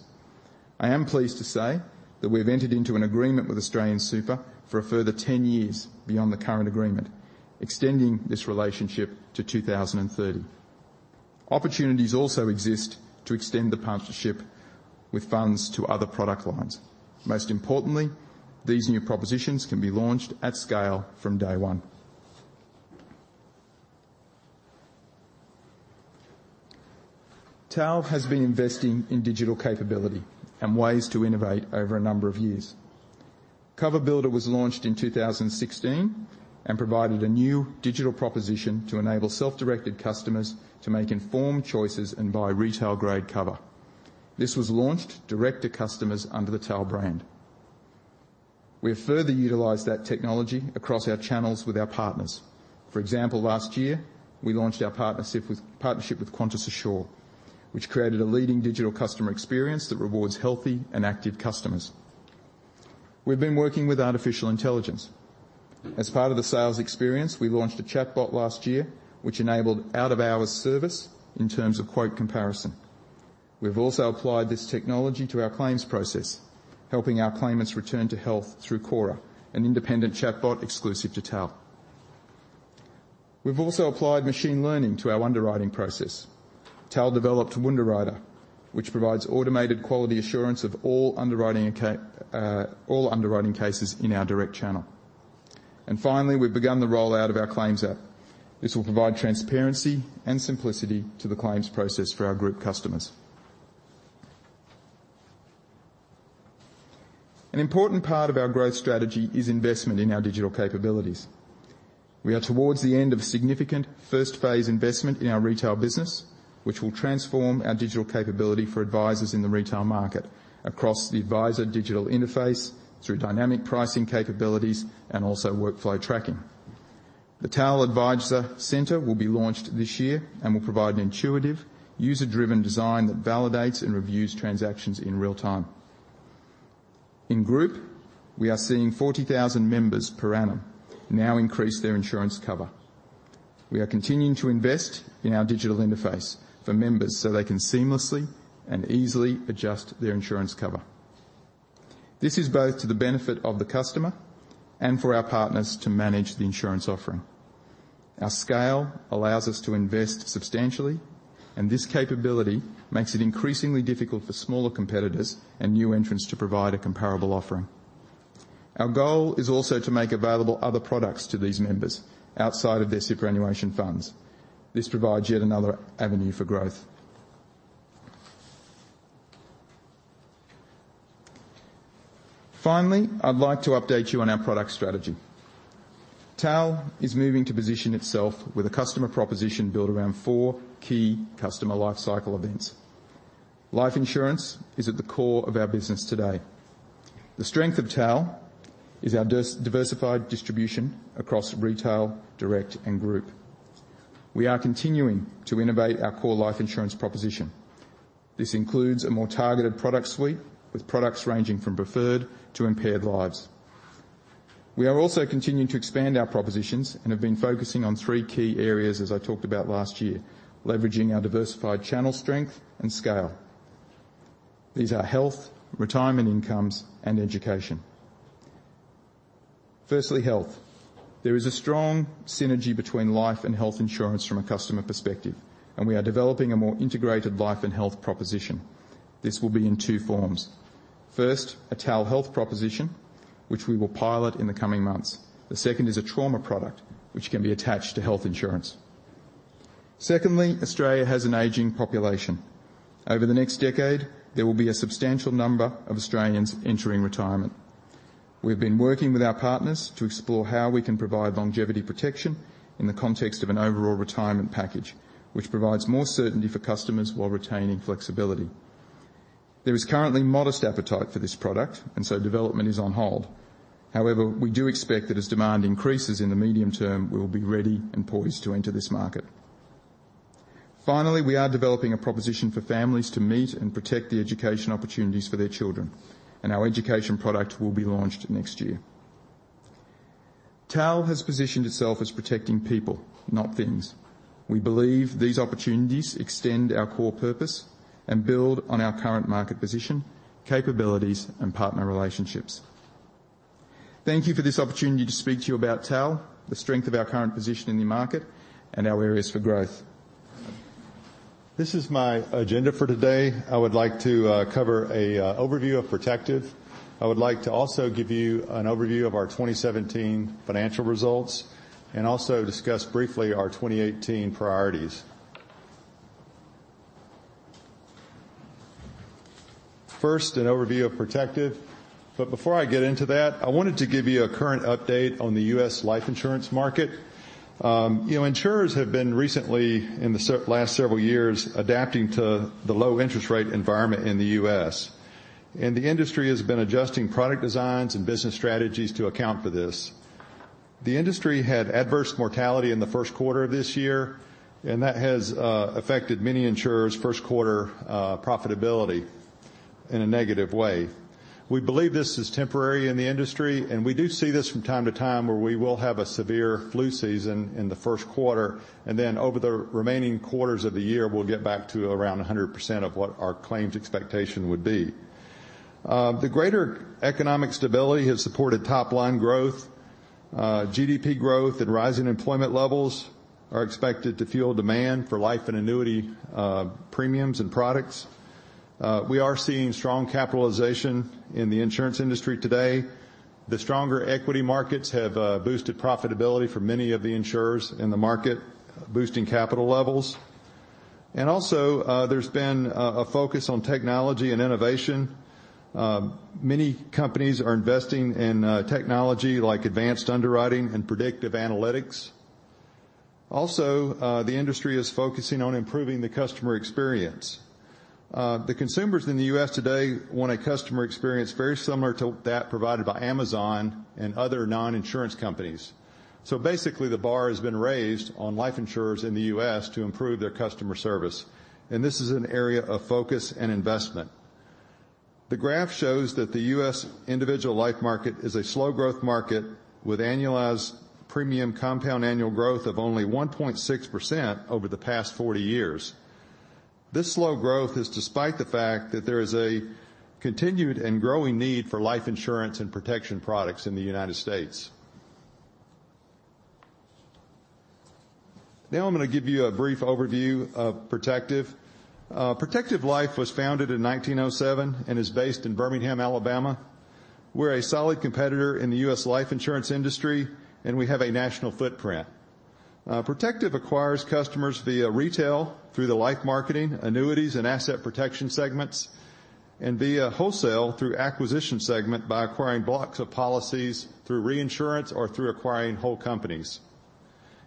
I am pleased to say that we've entered into an agreement with AustralianSuper for a further 10 years beyond the current agreement, extending this relationship to 2030. Opportunities also exist to extend the partnership with funds to other product lines. Most importantly, these new propositions can be launched at scale from day one. TAL has been investing in digital capability and ways to innovate over a number of years. CoverBuilder was launched in 2016 and provided a new digital proposition to enable self-directed customers to make informed choices and buy retail-grade cover. This was launched direct to customers under the TAL brand. We have further utilized that technology across our channels with our partners. For example, last year, we launched our partnership with Qantas Assure, which created a leading digital customer experience that rewards healthy and active customers. We've been working with artificial intelligence. As part of the sales experience, we launched a chatbot last year, which enabled out-of-hours service in terms of quote comparison. We've also applied this technology to our claims process, helping our claimants return to health through Cora, an independent chatbot exclusive to TAL. We've also applied machine learning to our underwriting process. TAL developed WunderWriter, which provides automated quality assurance of all underwriting cases in our direct channel. Finally, we've begun the rollout of our claims app. This will provide transparency and simplicity to the claims process for our group customers. An important part of our growth strategy is investment in our digital capabilities. We are towards the end of a significant first phase investment in our retail business, which will transform our digital capability for advisors in the retail market across the advisor digital interface through dynamic pricing capabilities and also workflow tracking. The TAL Adviser Centre will be launched this year and will provide an intuitive, user-driven design that validates and reviews transactions in real time. In group, we are seeing 40,000 members per annum now increase their insurance cover. We are continuing to invest in our digital interface for members so they can seamlessly and easily adjust their insurance cover. This is both to the benefit of the customer and for our partners to manage the insurance offering. Our scale allows us to invest substantially, and this capability makes it increasingly difficult for smaller competitors and new entrants to provide a comparable offering. Our goal is also to make available other products to these members outside of their superannuation funds. This provides yet another avenue for growth. Finally, I'd like to update you on our product strategy. TAL is moving to position itself with a customer proposition built around four key customer life cycle events. Life insurance is at the core of our business today. The strength of TAL is our diversified distribution across retail, direct, and group. We are continuing to innovate our core life insurance proposition. This includes a more targeted product suite with products ranging from preferred to impaired lives. We are also continuing to expand our propositions and have been focusing on three key areas as I talked about last year, leveraging our diversified channel strength and scale. These are health, retirement incomes, and education. Firstly, health. There is a strong synergy between life and health insurance from a customer perspective, and we are developing a more integrated life and health proposition. This will be in two forms. First, a TAL health proposition, which we will pilot in the coming months. The second is a trauma product, which can be attached to health insurance. Secondly, Australia has an aging population. Over the next decade, there will be a substantial number of Australians entering retirement. We've been working with our partners to explore how we can provide longevity protection in the context of an overall retirement package, which provides more certainty for customers while retaining flexibility. Development is on hold. However, we do expect that as demand increases in the medium term, we will be ready and poised to enter this market. Finally, we are developing a proposition for families to meet and protect the education opportunities for their children, our education product will be launched next year. TAL has positioned itself as protecting people, not things. We believe these opportunities extend our core purpose and build on our current market position, capabilities, and partner relationships. Thank you for this opportunity to speak to you about TAL, the strength of our current position in the market, and our areas for growth. This is my agenda for today. I would like to cover an overview of Protective. I would like to also give you an overview of our 2017 financial results and also discuss briefly our 2018 priorities. First, an overview of Protective, but before I get into that, I wanted to give you a current update on the U.S. life insurance market. Insurers have been recently, in the last several years, adapting to the low interest rate environment in the U.S., and the industry has been adjusting product designs and business strategies to account for this. The industry had adverse mortality in the first quarter of this year, and that has affected many insurers' first quarter profitability in a negative way. We believe this is temporary in the industry, and we do see this from time to time where we will have a severe flu season in the first quarter, and then over the remaining quarters of the year, we'll get back to around 100% of what our claims expectation would be. The greater economic stability has supported top-line growth. GDP growth and rising employment levels are expected to fuel demand for life and annuity premiums and products. We are seeing strong capitalization in the insurance industry today. The stronger equity markets have boosted profitability for many of the insurers in the market, boosting capital levels. Also, there's been a focus on technology and innovation. Many companies are investing in technology like advanced underwriting and predictive analytics. Also, the industry is focusing on improving the customer experience. The consumers in the U.S. today want a customer experience very similar to that provided by Amazon and other non-insurance companies. Basically, the bar has been raised on life insurers in the U.S. to improve their customer service, and this is an area of focus and investment. The graph shows that the U.S. individual life market is a slow growth market with annualized premium compound annual growth of only 1.6% over the past 40 years. This slow growth is despite the fact that there is a continued and growing need for life insurance and protection products in the United States. Now I'm going to give you a brief overview of Protective. Protective Life was founded in 1907 and is based in Birmingham, Alabama. We're a solid competitor in the U.S. life insurance industry, and we have a national footprint. Protective acquires customers via retail through the life marketing, annuities, and asset protection segments, and via wholesale through acquisition segment by acquiring blocks of policies through reinsurance or through acquiring whole companies.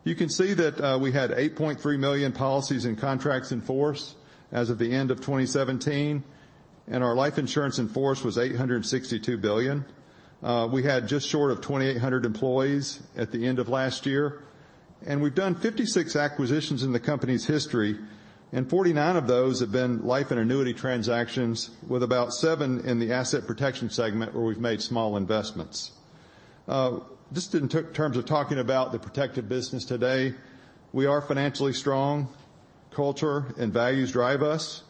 You can see that we had 8.3 million policies and contracts in force as of the end of 2017, and our life insurance in force was $862 billion. We had just short of 2,800 employees at the end of last year, and we've done 56 acquisitions in the company's history, and 49 of those have been life and annuity transactions, with about seven in the asset protection segment where we've made small investments. Just in terms of talking about the Protective business today, we are financially strong. Culture and values drive us.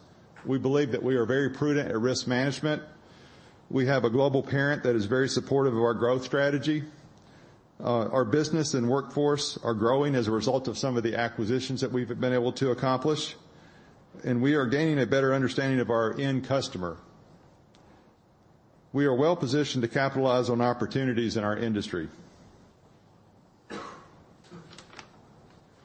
We believe that we are very prudent at risk management. We have a global parent that is very supportive of our growth strategy. Our business and workforce are growing as a result of some of the acquisitions that we've been able to accomplish. We are gaining a better understanding of our end customer. We are well-positioned to capitalize on opportunities in our industry.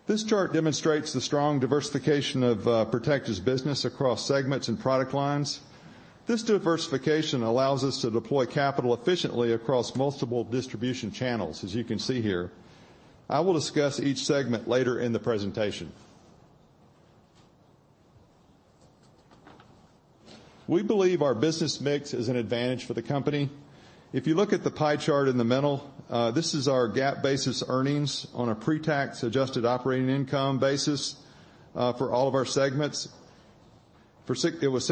This chart demonstrates the strong diversification of Protective's business across segments and product lines. This diversification allows us to deploy capital efficiently across multiple distribution channels, as you can see here. I will discuss each segment later in the presentation. We believe our business mix is an advantage for the company. If you look at the pie chart in the middle, this is our GAAP basis earnings on a pre-tax adjusted operating income basis for all of our segments. It was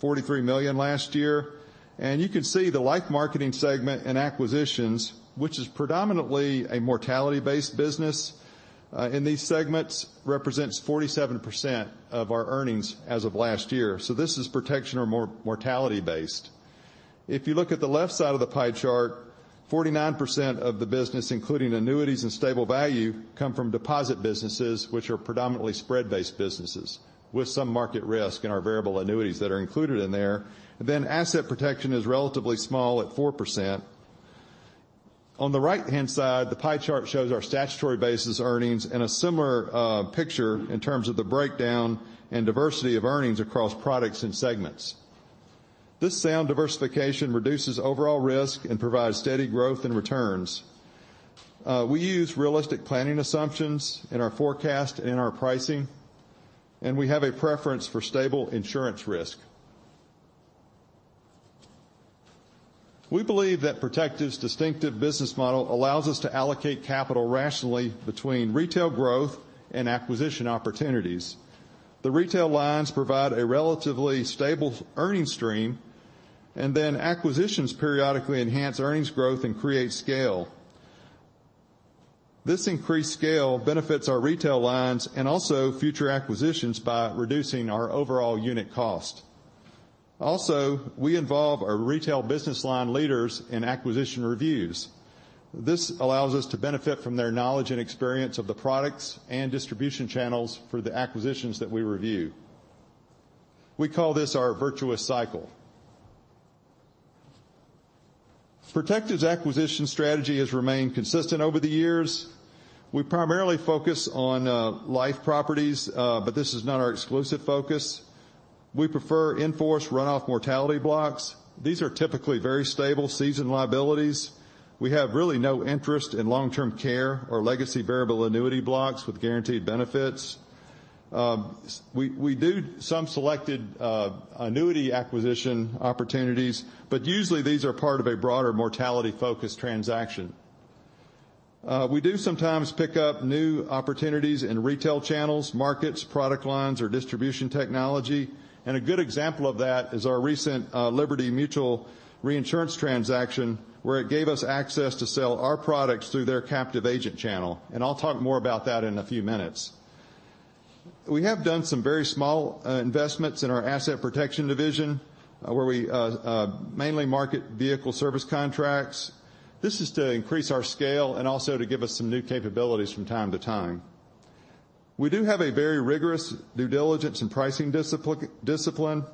$643 million last year. You can see the life marketing segment and acquisitions, which is predominantly a mortality-based business in these segments, represents 47% of our earnings as of last year. This is protection or mortality-based. If you look at the left side of the pie chart, 49% of the business, including annuities and stable value, come from deposit businesses, which are predominantly spread-based businesses with some market risk in our variable annuities that are included in there. Asset protection is relatively small at 4%. On the right-hand side, the pie chart shows our statutory basis earnings in a similar picture in terms of the breakdown and diversity of earnings across products and segments. This sound diversification reduces overall risk and provides steady growth and returns. We use realistic planning assumptions in our forecast and in our pricing. We have a preference for stable insurance risk. We believe that Protective's distinctive business model allows us to allocate capital rationally between retail growth and acquisition opportunities. The retail lines provide a relatively stable earning stream. Acquisitions periodically enhance earnings growth and create scale. This increased scale benefits our retail lines and also future acquisitions by reducing our overall unit cost. We involve our retail business line leaders in acquisition reviews. This allows us to benefit from their knowledge and experience of the products and distribution channels for the acquisitions that we review. We call this our virtuous cycle. Protective's acquisition strategy has remained consistent over the years. We primarily focus on life properties. This is not our exclusive focus. We prefer in-force runoff mortality blocks. These are typically very stable seasoned liabilities. We have really no interest in long-term care or legacy variable annuity blocks with guaranteed benefits. We do some selected annuity acquisition opportunities. Usually, these are part of a broader mortality-focused transaction. We do sometimes pick up new opportunities in retail channels, markets, product lines, or distribution technology. A good example of that is our recent Liberty Mutual reinsurance transaction, where it gave us access to sell our products through their captive agent channel. I'll talk more about that in a few minutes. We have done some very small investments in our asset protection division, where we mainly market vehicle service contracts. This is to increase our scale and also to give us some new capabilities from time to time. We do have a very rigorous due diligence and pricing discipline.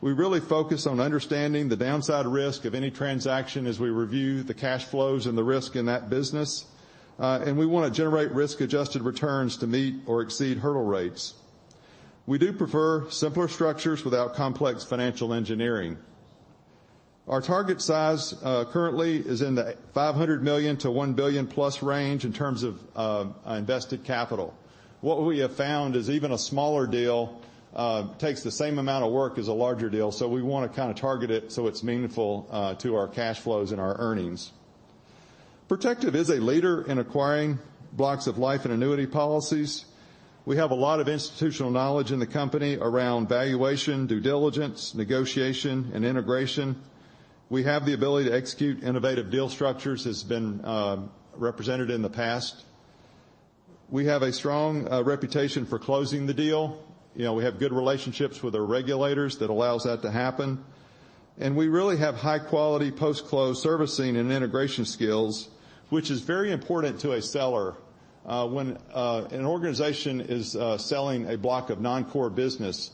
We really focus on understanding the downside risk of any transaction as we review the cash flows and the risk in that business. We want to generate risk-adjusted returns to meet or exceed hurdle rates. We do prefer simpler structures without complex financial engineering. Our target size currently is in the 500 million to 1 billion-plus range in terms of invested capital. What we have found is even a smaller deal takes the same amount of work as a larger deal, so we want to kind of target it so it is meaningful to our cash flows and our earnings. Protective is a leader in acquiring blocks of life and annuity policies. We have a lot of institutional knowledge in the company around valuation, due diligence, negotiation, and integration. We have the ability to execute innovative deal structures that's been represented in the past. We have a strong reputation for closing the deal. We have good relationships with our regulators that allows that to happen. We really have high-quality post-close servicing and integration skills, which is very important to a seller. When an organization is selling a block of non-core business,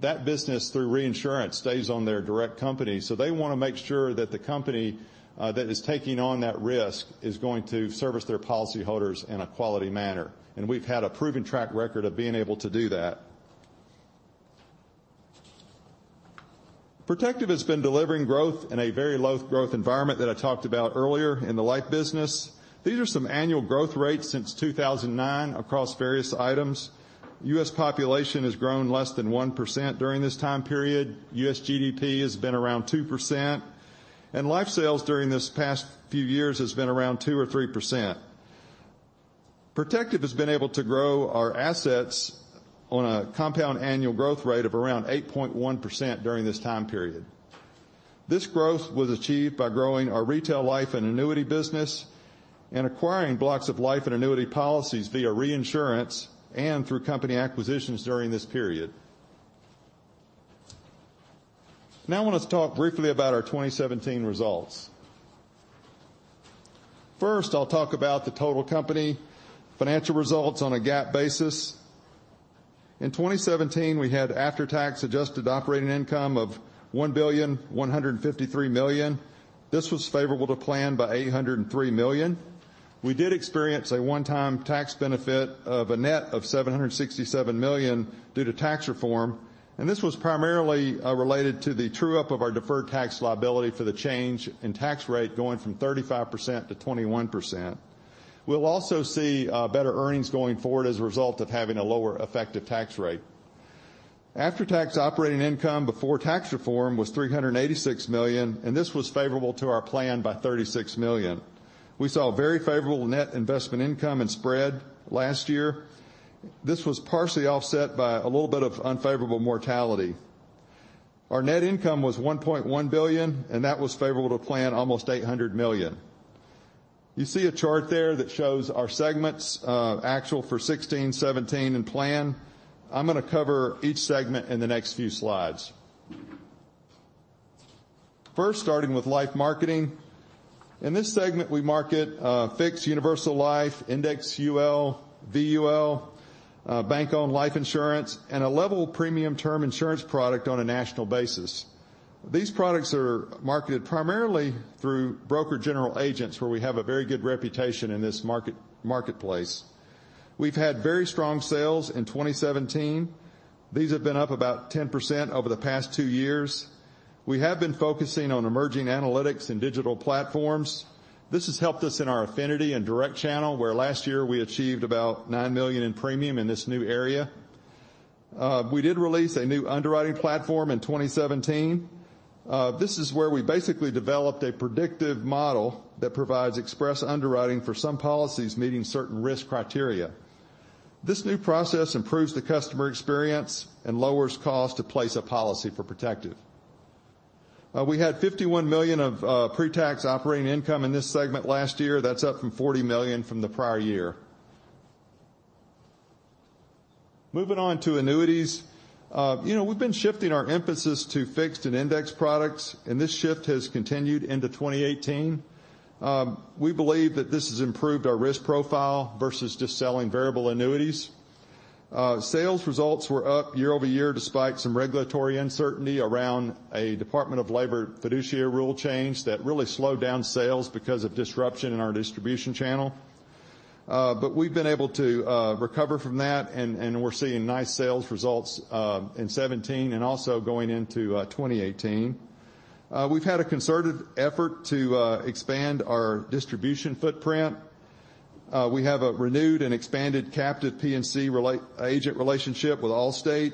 that business, through reinsurance, stays on their direct company. So they want to make sure that the company that is taking on that risk is going to service their policyholders in a quality manner, and we've had a proven track record of being able to do that. Protective has been delivering growth in a very low growth environment that I talked about earlier in the life business. These are some annual growth rates since 2009 across various items. U.S. population has grown less than 1% during this time period. U.S. GDP has been around 2%, and life sales during these past few years has been around 2% or 3%. Protective has been able to grow our assets on a compound annual growth rate of around 8.1% during this time period. This growth was achieved by growing our retail life and annuity business and acquiring blocks of life and annuity policies via reinsurance and through company acquisitions during this period. I want us to talk briefly about our 2017 results. First, I will talk about the total company financial results on a GAAP basis. In 2017, we had after-tax adjusted operating income of $1.153 billion. This was favorable to plan by $803 million. We did experience a one-time tax benefit of a net of $767 million due to tax reform, and this was primarily related to the true-up of our deferred tax liability for the change in tax rate going from 35% to 21%. We'll also see better earnings going forward as a result of having a lower effective tax rate. After-tax operating income before tax reform was $386 million, and this was favorable to our plan by $36 million. We saw very favorable net investment income and spread last year. This was partially offset by a little bit of unfavorable mortality. Our net income was $1.1 billion, and that was favorable to plan almost $800 million. You see a chart there that shows our segments, actual for 2016, 2017, and plan. I am going to cover each segment in the next few slides. First, starting with life marketing. In this segment, we market fixed universal life, indexed UL, VUL, bank-owned life insurance, and a level premium term insurance product on a national basis. These products are marketed primarily through broker general agents, where we have a very good reputation in this marketplace. We've had very strong sales in 2017. These have been up about 10% over the past two years. We have been focusing on emerging analytics and digital platforms. This has helped us in our affinity and direct channel, where last year we achieved about $9 million in premium in this new area. We did release a new underwriting platform in 2017. This is where we basically developed a predictive model that provides express underwriting for some policies meeting certain risk criteria. This new process improves the customer experience and lowers cost to place a policy for Protective. We had $51 million of pre-tax operating income in this segment last year. That's up from $40 million from the prior year. Moving on to annuities. We've been shifting our emphasis to fixed and indexed products. This shift has continued into 2018. We believe that this has improved our risk profile versus just selling variable annuities. Sales results were up year over year despite some regulatory uncertainty around a Department of Labor fiduciary rule change that really slowed down sales because of disruption in our distribution channel. We've been able to recover from that, and we're seeing nice sales results in 2017, and also going into 2018. We've had a concerted effort to expand our distribution footprint. We have a renewed and expanded captive P&C agent relationship with Allstate.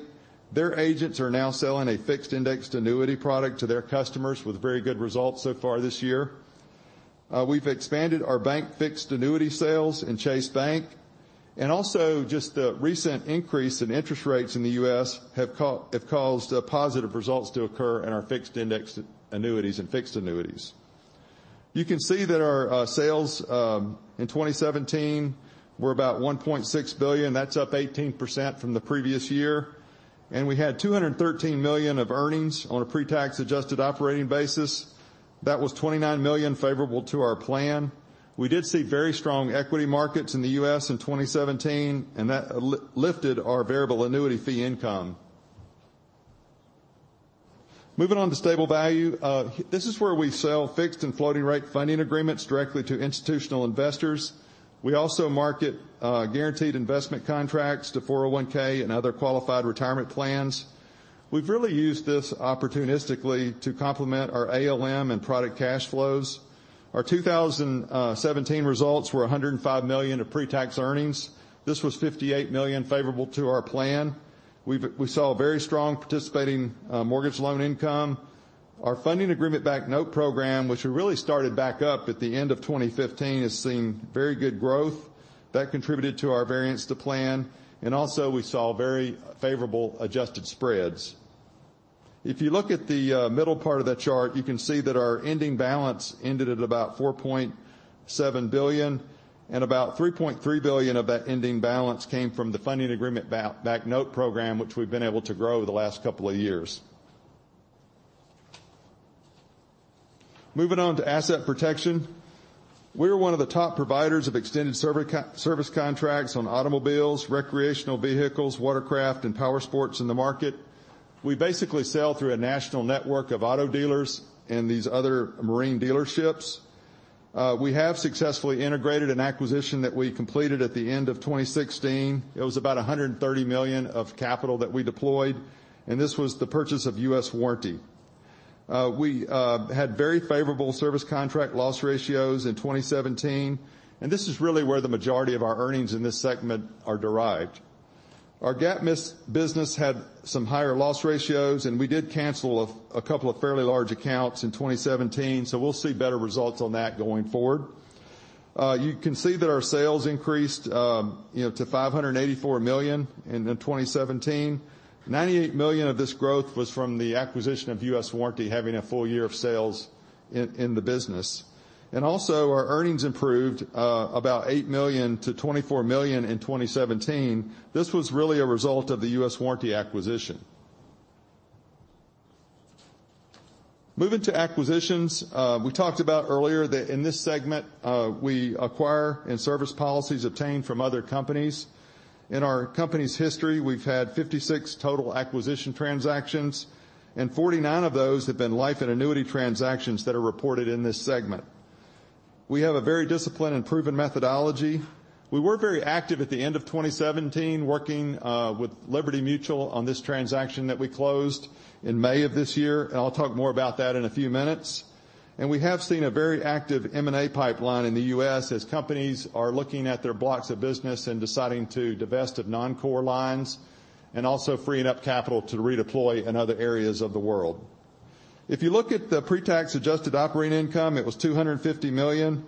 Their agents are now selling a fixed indexed annuity product to their customers with very good results so far this year. We've expanded our bank fixed annuity sales in Chase Bank. Also just the recent increase in interest rates in the U.S. have caused positive results to occur in our fixed indexed annuities and fixed annuities. You can see that our sales in 2017 were about $1.6 billion. That's up 18% from the previous year. We had $213 million of earnings on a pre-tax adjusted operating basis. That was $29 million favorable to our plan. We did see very strong equity markets in the U.S. in 2017, and that lifted our variable annuity fee income. Moving on to stable value. This is where we sell fixed and floating rate funding agreements directly to institutional investors. We also market guaranteed investment contracts to 401 and other qualified retirement plans. We've really used this opportunistically to complement our ALM and product cash flows. Our 2017 results were $105 million of pre-tax earnings. This was $58 million favorable to our plan. We saw very strong participating mortgage loan income. Our funding agreement-backed note program, which we really started back up at the end of 2015, has seen very good growth. That contributed to our variance to plan. Also we saw very favorable adjusted spreads. If you look at the middle part of that chart, you can see that our ending balance ended at about $4.7 billion, and about $3.3 billion of that ending balance came from the funding agreement-backed note program, which we've been able to grow the last couple of years. Moving on to asset protection. We're one of the top providers of extended service contracts on automobiles, recreational vehicles, watercraft, and powersports in the market. We basically sell through a national network of auto dealers and these other marine dealerships. We have successfully integrated an acquisition that we completed at the end of 2016. It was about $130 million of capital that we deployed, and this was the purchase of United States Warranty Corp. We had very favorable service contract loss ratios in 2017, and this is really where the majority of our earnings in this segment are derived. Our GAP Plus business had some higher loss ratios, and we did cancel a couple of fairly large accounts in 2017, so we'll see better results on that going forward. You can see that our sales increased to $584 million in 2017. 98 million of this growth was from the acquisition of United States Warranty Corp. having a full year of sales in the business. Also our earnings improved about $8 million to $24 million in 2017. This was really a result of the United States Warranty Corp. acquisition. Moving to acquisitions, we talked about earlier that in this segment, we acquire and service policies obtained from other companies. In our company's history, we've had 56 total acquisition transactions, and 49 of those have been life and annuity transactions that are reported in this segment. We have a very disciplined and proven methodology. We were very active at the end of 2017, working with Liberty Mutual on this transaction that we closed in May of this year, and I'll talk more about that in a few minutes. We have seen a very active M&A pipeline in the U.S. as companies are looking at their blocks of business and deciding to divest of non-core lines, and also freeing up capital to redeploy in other areas of the world. If you look at the pre-tax adjusted operating income, it was $250 million.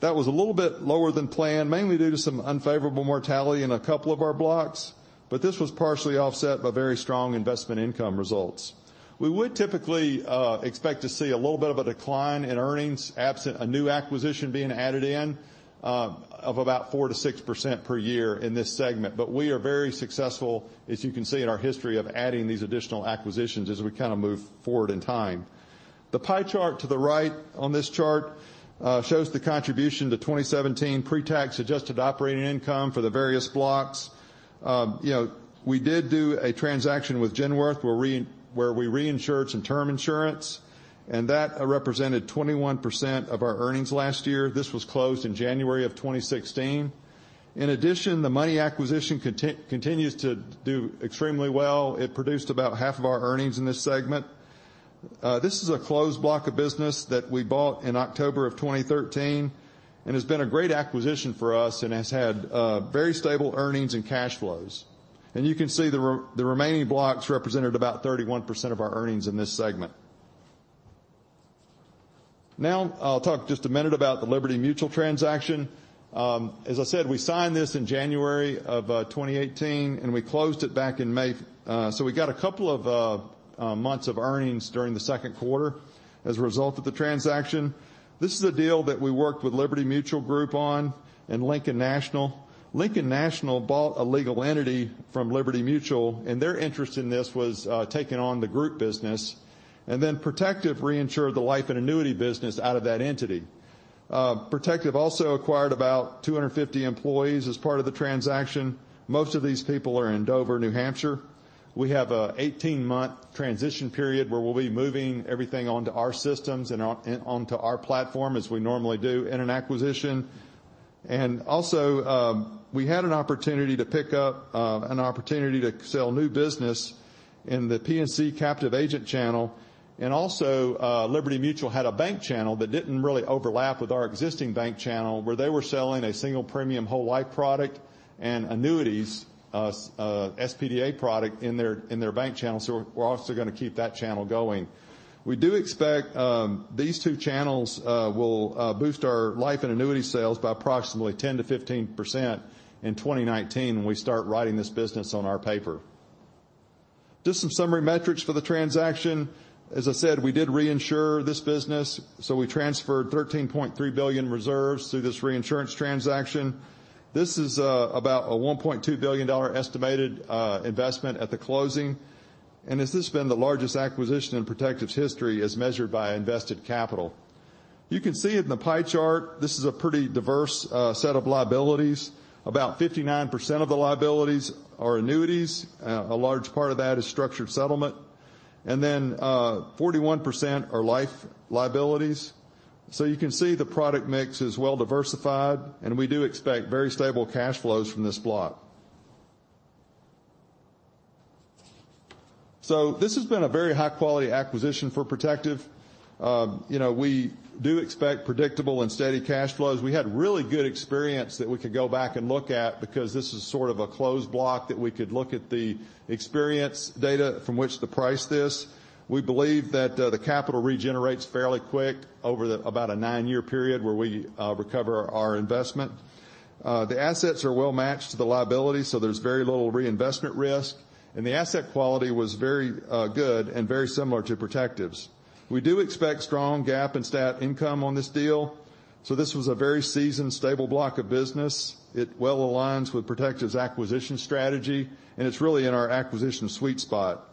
That was a little bit lower than planned, mainly due to some unfavorable mortality in a couple of our blocks, but this was partially offset by very strong investment income results. We would typically expect to see a little bit of a decline in earnings, absent a new acquisition being added in, of about 4%-6% per year in this segment. We are very successful, as you can see in our history, of adding these additional acquisitions as we kind of move forward in time. The pie chart to the right on this chart shows the contribution to 2017 pre-tax adjusted operating income for the various blocks. We did do a transaction with Genworth where we reinsured some term insurance, and that represented 21% of our earnings last year. This was closed in January of 2016. In addition, the MONY acquisition continues to do extremely well. It produced about half of our earnings in this segment. This is a closed block of business that we bought in October of 2013 and has been a great acquisition for us and has had very stable earnings and cash flows. You can see the remaining blocks represented about 31% of our earnings in this segment. Now, I'll talk just a minute about the Liberty Mutual transaction. As I said, we signed this in January of 2018, and we closed it back in May. We got a couple of months of earnings during the second quarter as a result of the transaction. This is a deal that we worked with Liberty Mutual Group on and Lincoln National. Lincoln National bought a legal entity from Liberty Mutual, their interest in this was taking on the group business, then Protective reinsured the life and annuity business out of that entity. Protective also acquired about 250 employees as part of the transaction. Most of these people are in Dover, New Hampshire. We have an 18-month transition period where we'll be moving everything onto our systems and onto our platform as we normally do in an acquisition. We had an opportunity to pick up an opportunity to sell new business in the P&C captive agent channel. Liberty Mutual had a bank channel that didn't really overlap with our existing bank channel, where they were selling a single premium whole life product and annuities, SPDA product in their bank channel. We're also going to keep that channel going. We do expect these two channels will boost our life and annuity sales by approximately 10%-15% in 2019 when we start writing this business on our paper. Just some summary metrics for the transaction. As I said, we did reinsure this business, we transferred $13.3 billion reserves through this reinsurance transaction. This is about a $1.2 billion estimated investment at the closing. This has been the largest acquisition in Protective's history as measured by invested capital. You can see in the pie chart, this is a pretty diverse set of liabilities. About 59% of the liabilities are annuities. A large part of that is structured settlement. Then 41% are life liabilities. You can see the product mix is well diversified, we do expect very stable cash flows from this block. This has been a very high-quality acquisition for Protective. We do expect predictable and steady cash flows. We had really good experience that we could go back and look at because this is sort of a closed block that we could look at the experience data from which to price this. We believe that the capital regenerates fairly quick over about a nine-year period where we recover our investment. The assets are well matched to the liability, there's very little reinvestment risk, the asset quality was very good and very similar to Protective's. We do expect strong GAAP and STAT income on this deal. This was a very seasoned, stable block of business. It well aligns with Protective's acquisition strategy, it's really in our acquisition sweet spot.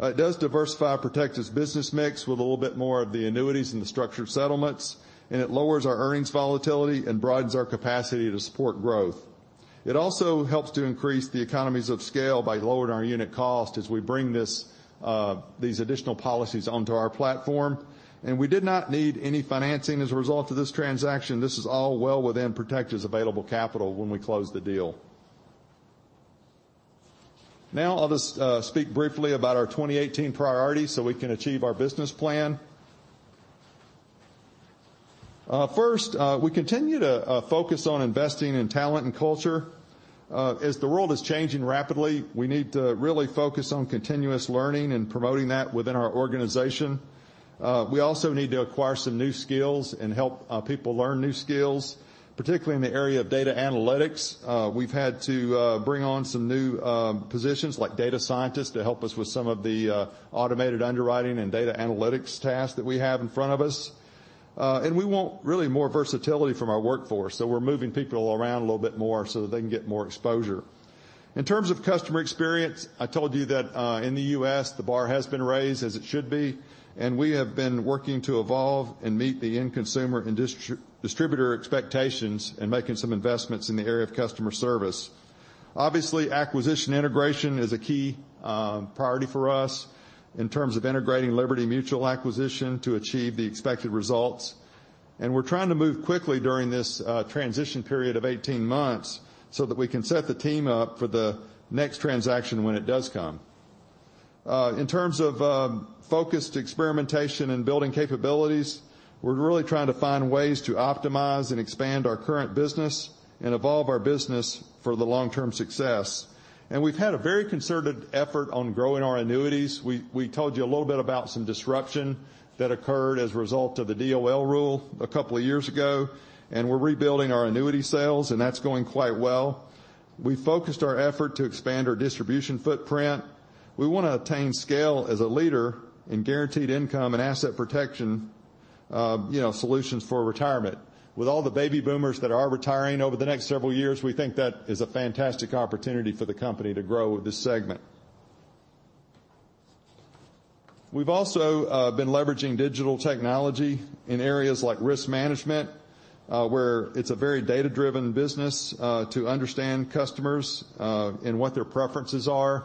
It does diversify Protective's business mix with a little bit more of the annuities and the structured settlements, it lowers our earnings volatility and broadens our capacity to support growth. It also helps to increase the economies of scale by lowering our unit cost as we bring these additional policies onto our platform. We did not need any financing as a result of this transaction. This is all well within Protective's available capital when we close the deal. Now I'll just speak briefly about our 2018 priorities so we can achieve our business plan. First, we continue to focus on investing in talent and culture. As the world is changing rapidly, we need to really focus on continuous learning and promoting that within our organization. We also need to acquire some new skills and help people learn new skills, particularly in the area of data analytics. We've had to bring on some new positions like data scientists to help us with some of the automated underwriting and data analytics tasks that we have in front of us. We want really more versatility from our workforce. We're moving people around a little bit more so that they can get more exposure. In terms of customer experience, I told you that in the U.S., the bar has been raised as it should be. We have been working to evolve and meet the end consumer and distributor expectations and making some investments in the area of customer service. Obviously, acquisition integration is a key priority for us in terms of integrating Liberty Mutual acquisition to achieve the expected results. We're trying to move quickly during this transition period of 18 months so that we can set the team up for the next transaction when it does come. In terms of focused experimentation and building capabilities, we're really trying to find ways to optimize and expand our current business and evolve our business for the long-term success. We've had a very concerted effort on growing our annuities. We told you a little bit about some disruption that occurred as a result of the DOL rule a couple of years ago. We're rebuilding our annuity sales, that's going quite well. We focused our effort to expand our distribution footprint. We want to attain scale as a leader in guaranteed income and asset protection solutions for retirement. With all the baby boomers that are retiring over the next several years, we think that is a fantastic opportunity for the company to grow this segment. We've also been leveraging digital technology in areas like risk management, where it's a very data-driven business to understand customers and what their preferences are.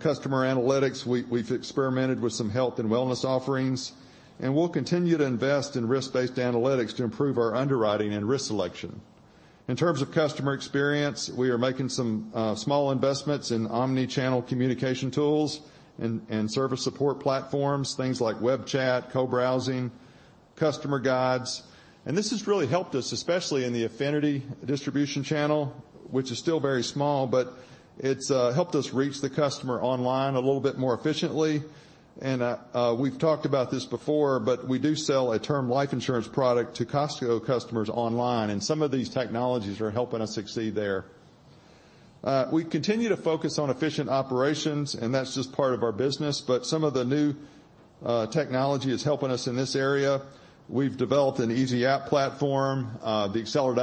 Customer analytics, we've experimented with some health and wellness offerings. We'll continue to invest in risk-based analytics to improve our underwriting and risk selection. In terms of customer experience, we are making some small investments in omni-channel communication tools and service support platforms, things like web chat, co-browsing, customer guides. This has really helped us, especially in the affinity distribution channel, which is still very small, but it's helped us reach the customer online a little bit more efficiently. We've talked about this before, but we do sell a term life insurance product to Costco customers online. Some of these technologies are helping us succeed there. We continue to focus on efficient operations, that's just part of our business. Some of the new technology is helping us in this area. We've developed an easy app platform, the accelerated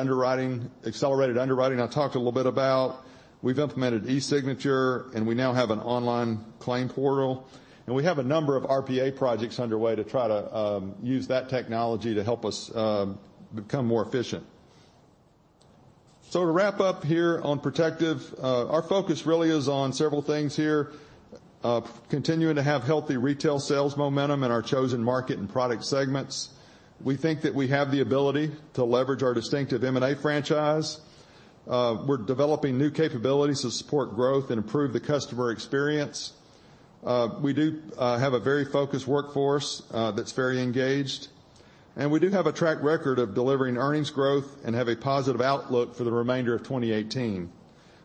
underwriting I talked a little bit about. We've implemented e-signature, we now have an online claim portal. We have a number of RPA projects underway to try to use that technology to help us become more efficient. To wrap up here on Protective, our focus really is on several things here. Continuing to have healthy retail sales momentum in our chosen market and product segments. We think that we have the ability to leverage our distinctive M&A franchise. We're developing new capabilities to support growth and improve the customer experience. We do have a very focused workforce that's very engaged, and we do have a track record of delivering earnings growth and have a positive outlook for the remainder of 2018.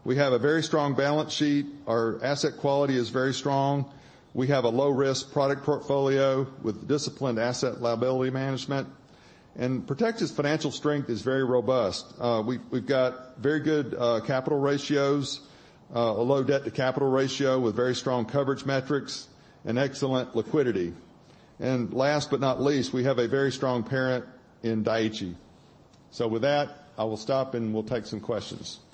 We have a very strong balance sheet. Our asset quality is very strong. We have a low-risk product portfolio with disciplined asset liability management. Protective's financial strength is very robust. We've got very good capital ratios, a low debt to capital ratio with very strong coverage metrics, and excellent liquidity. Last but not least, we have a very strong parent in Dai-ichi. With that, I will stop, and we'll take some questions.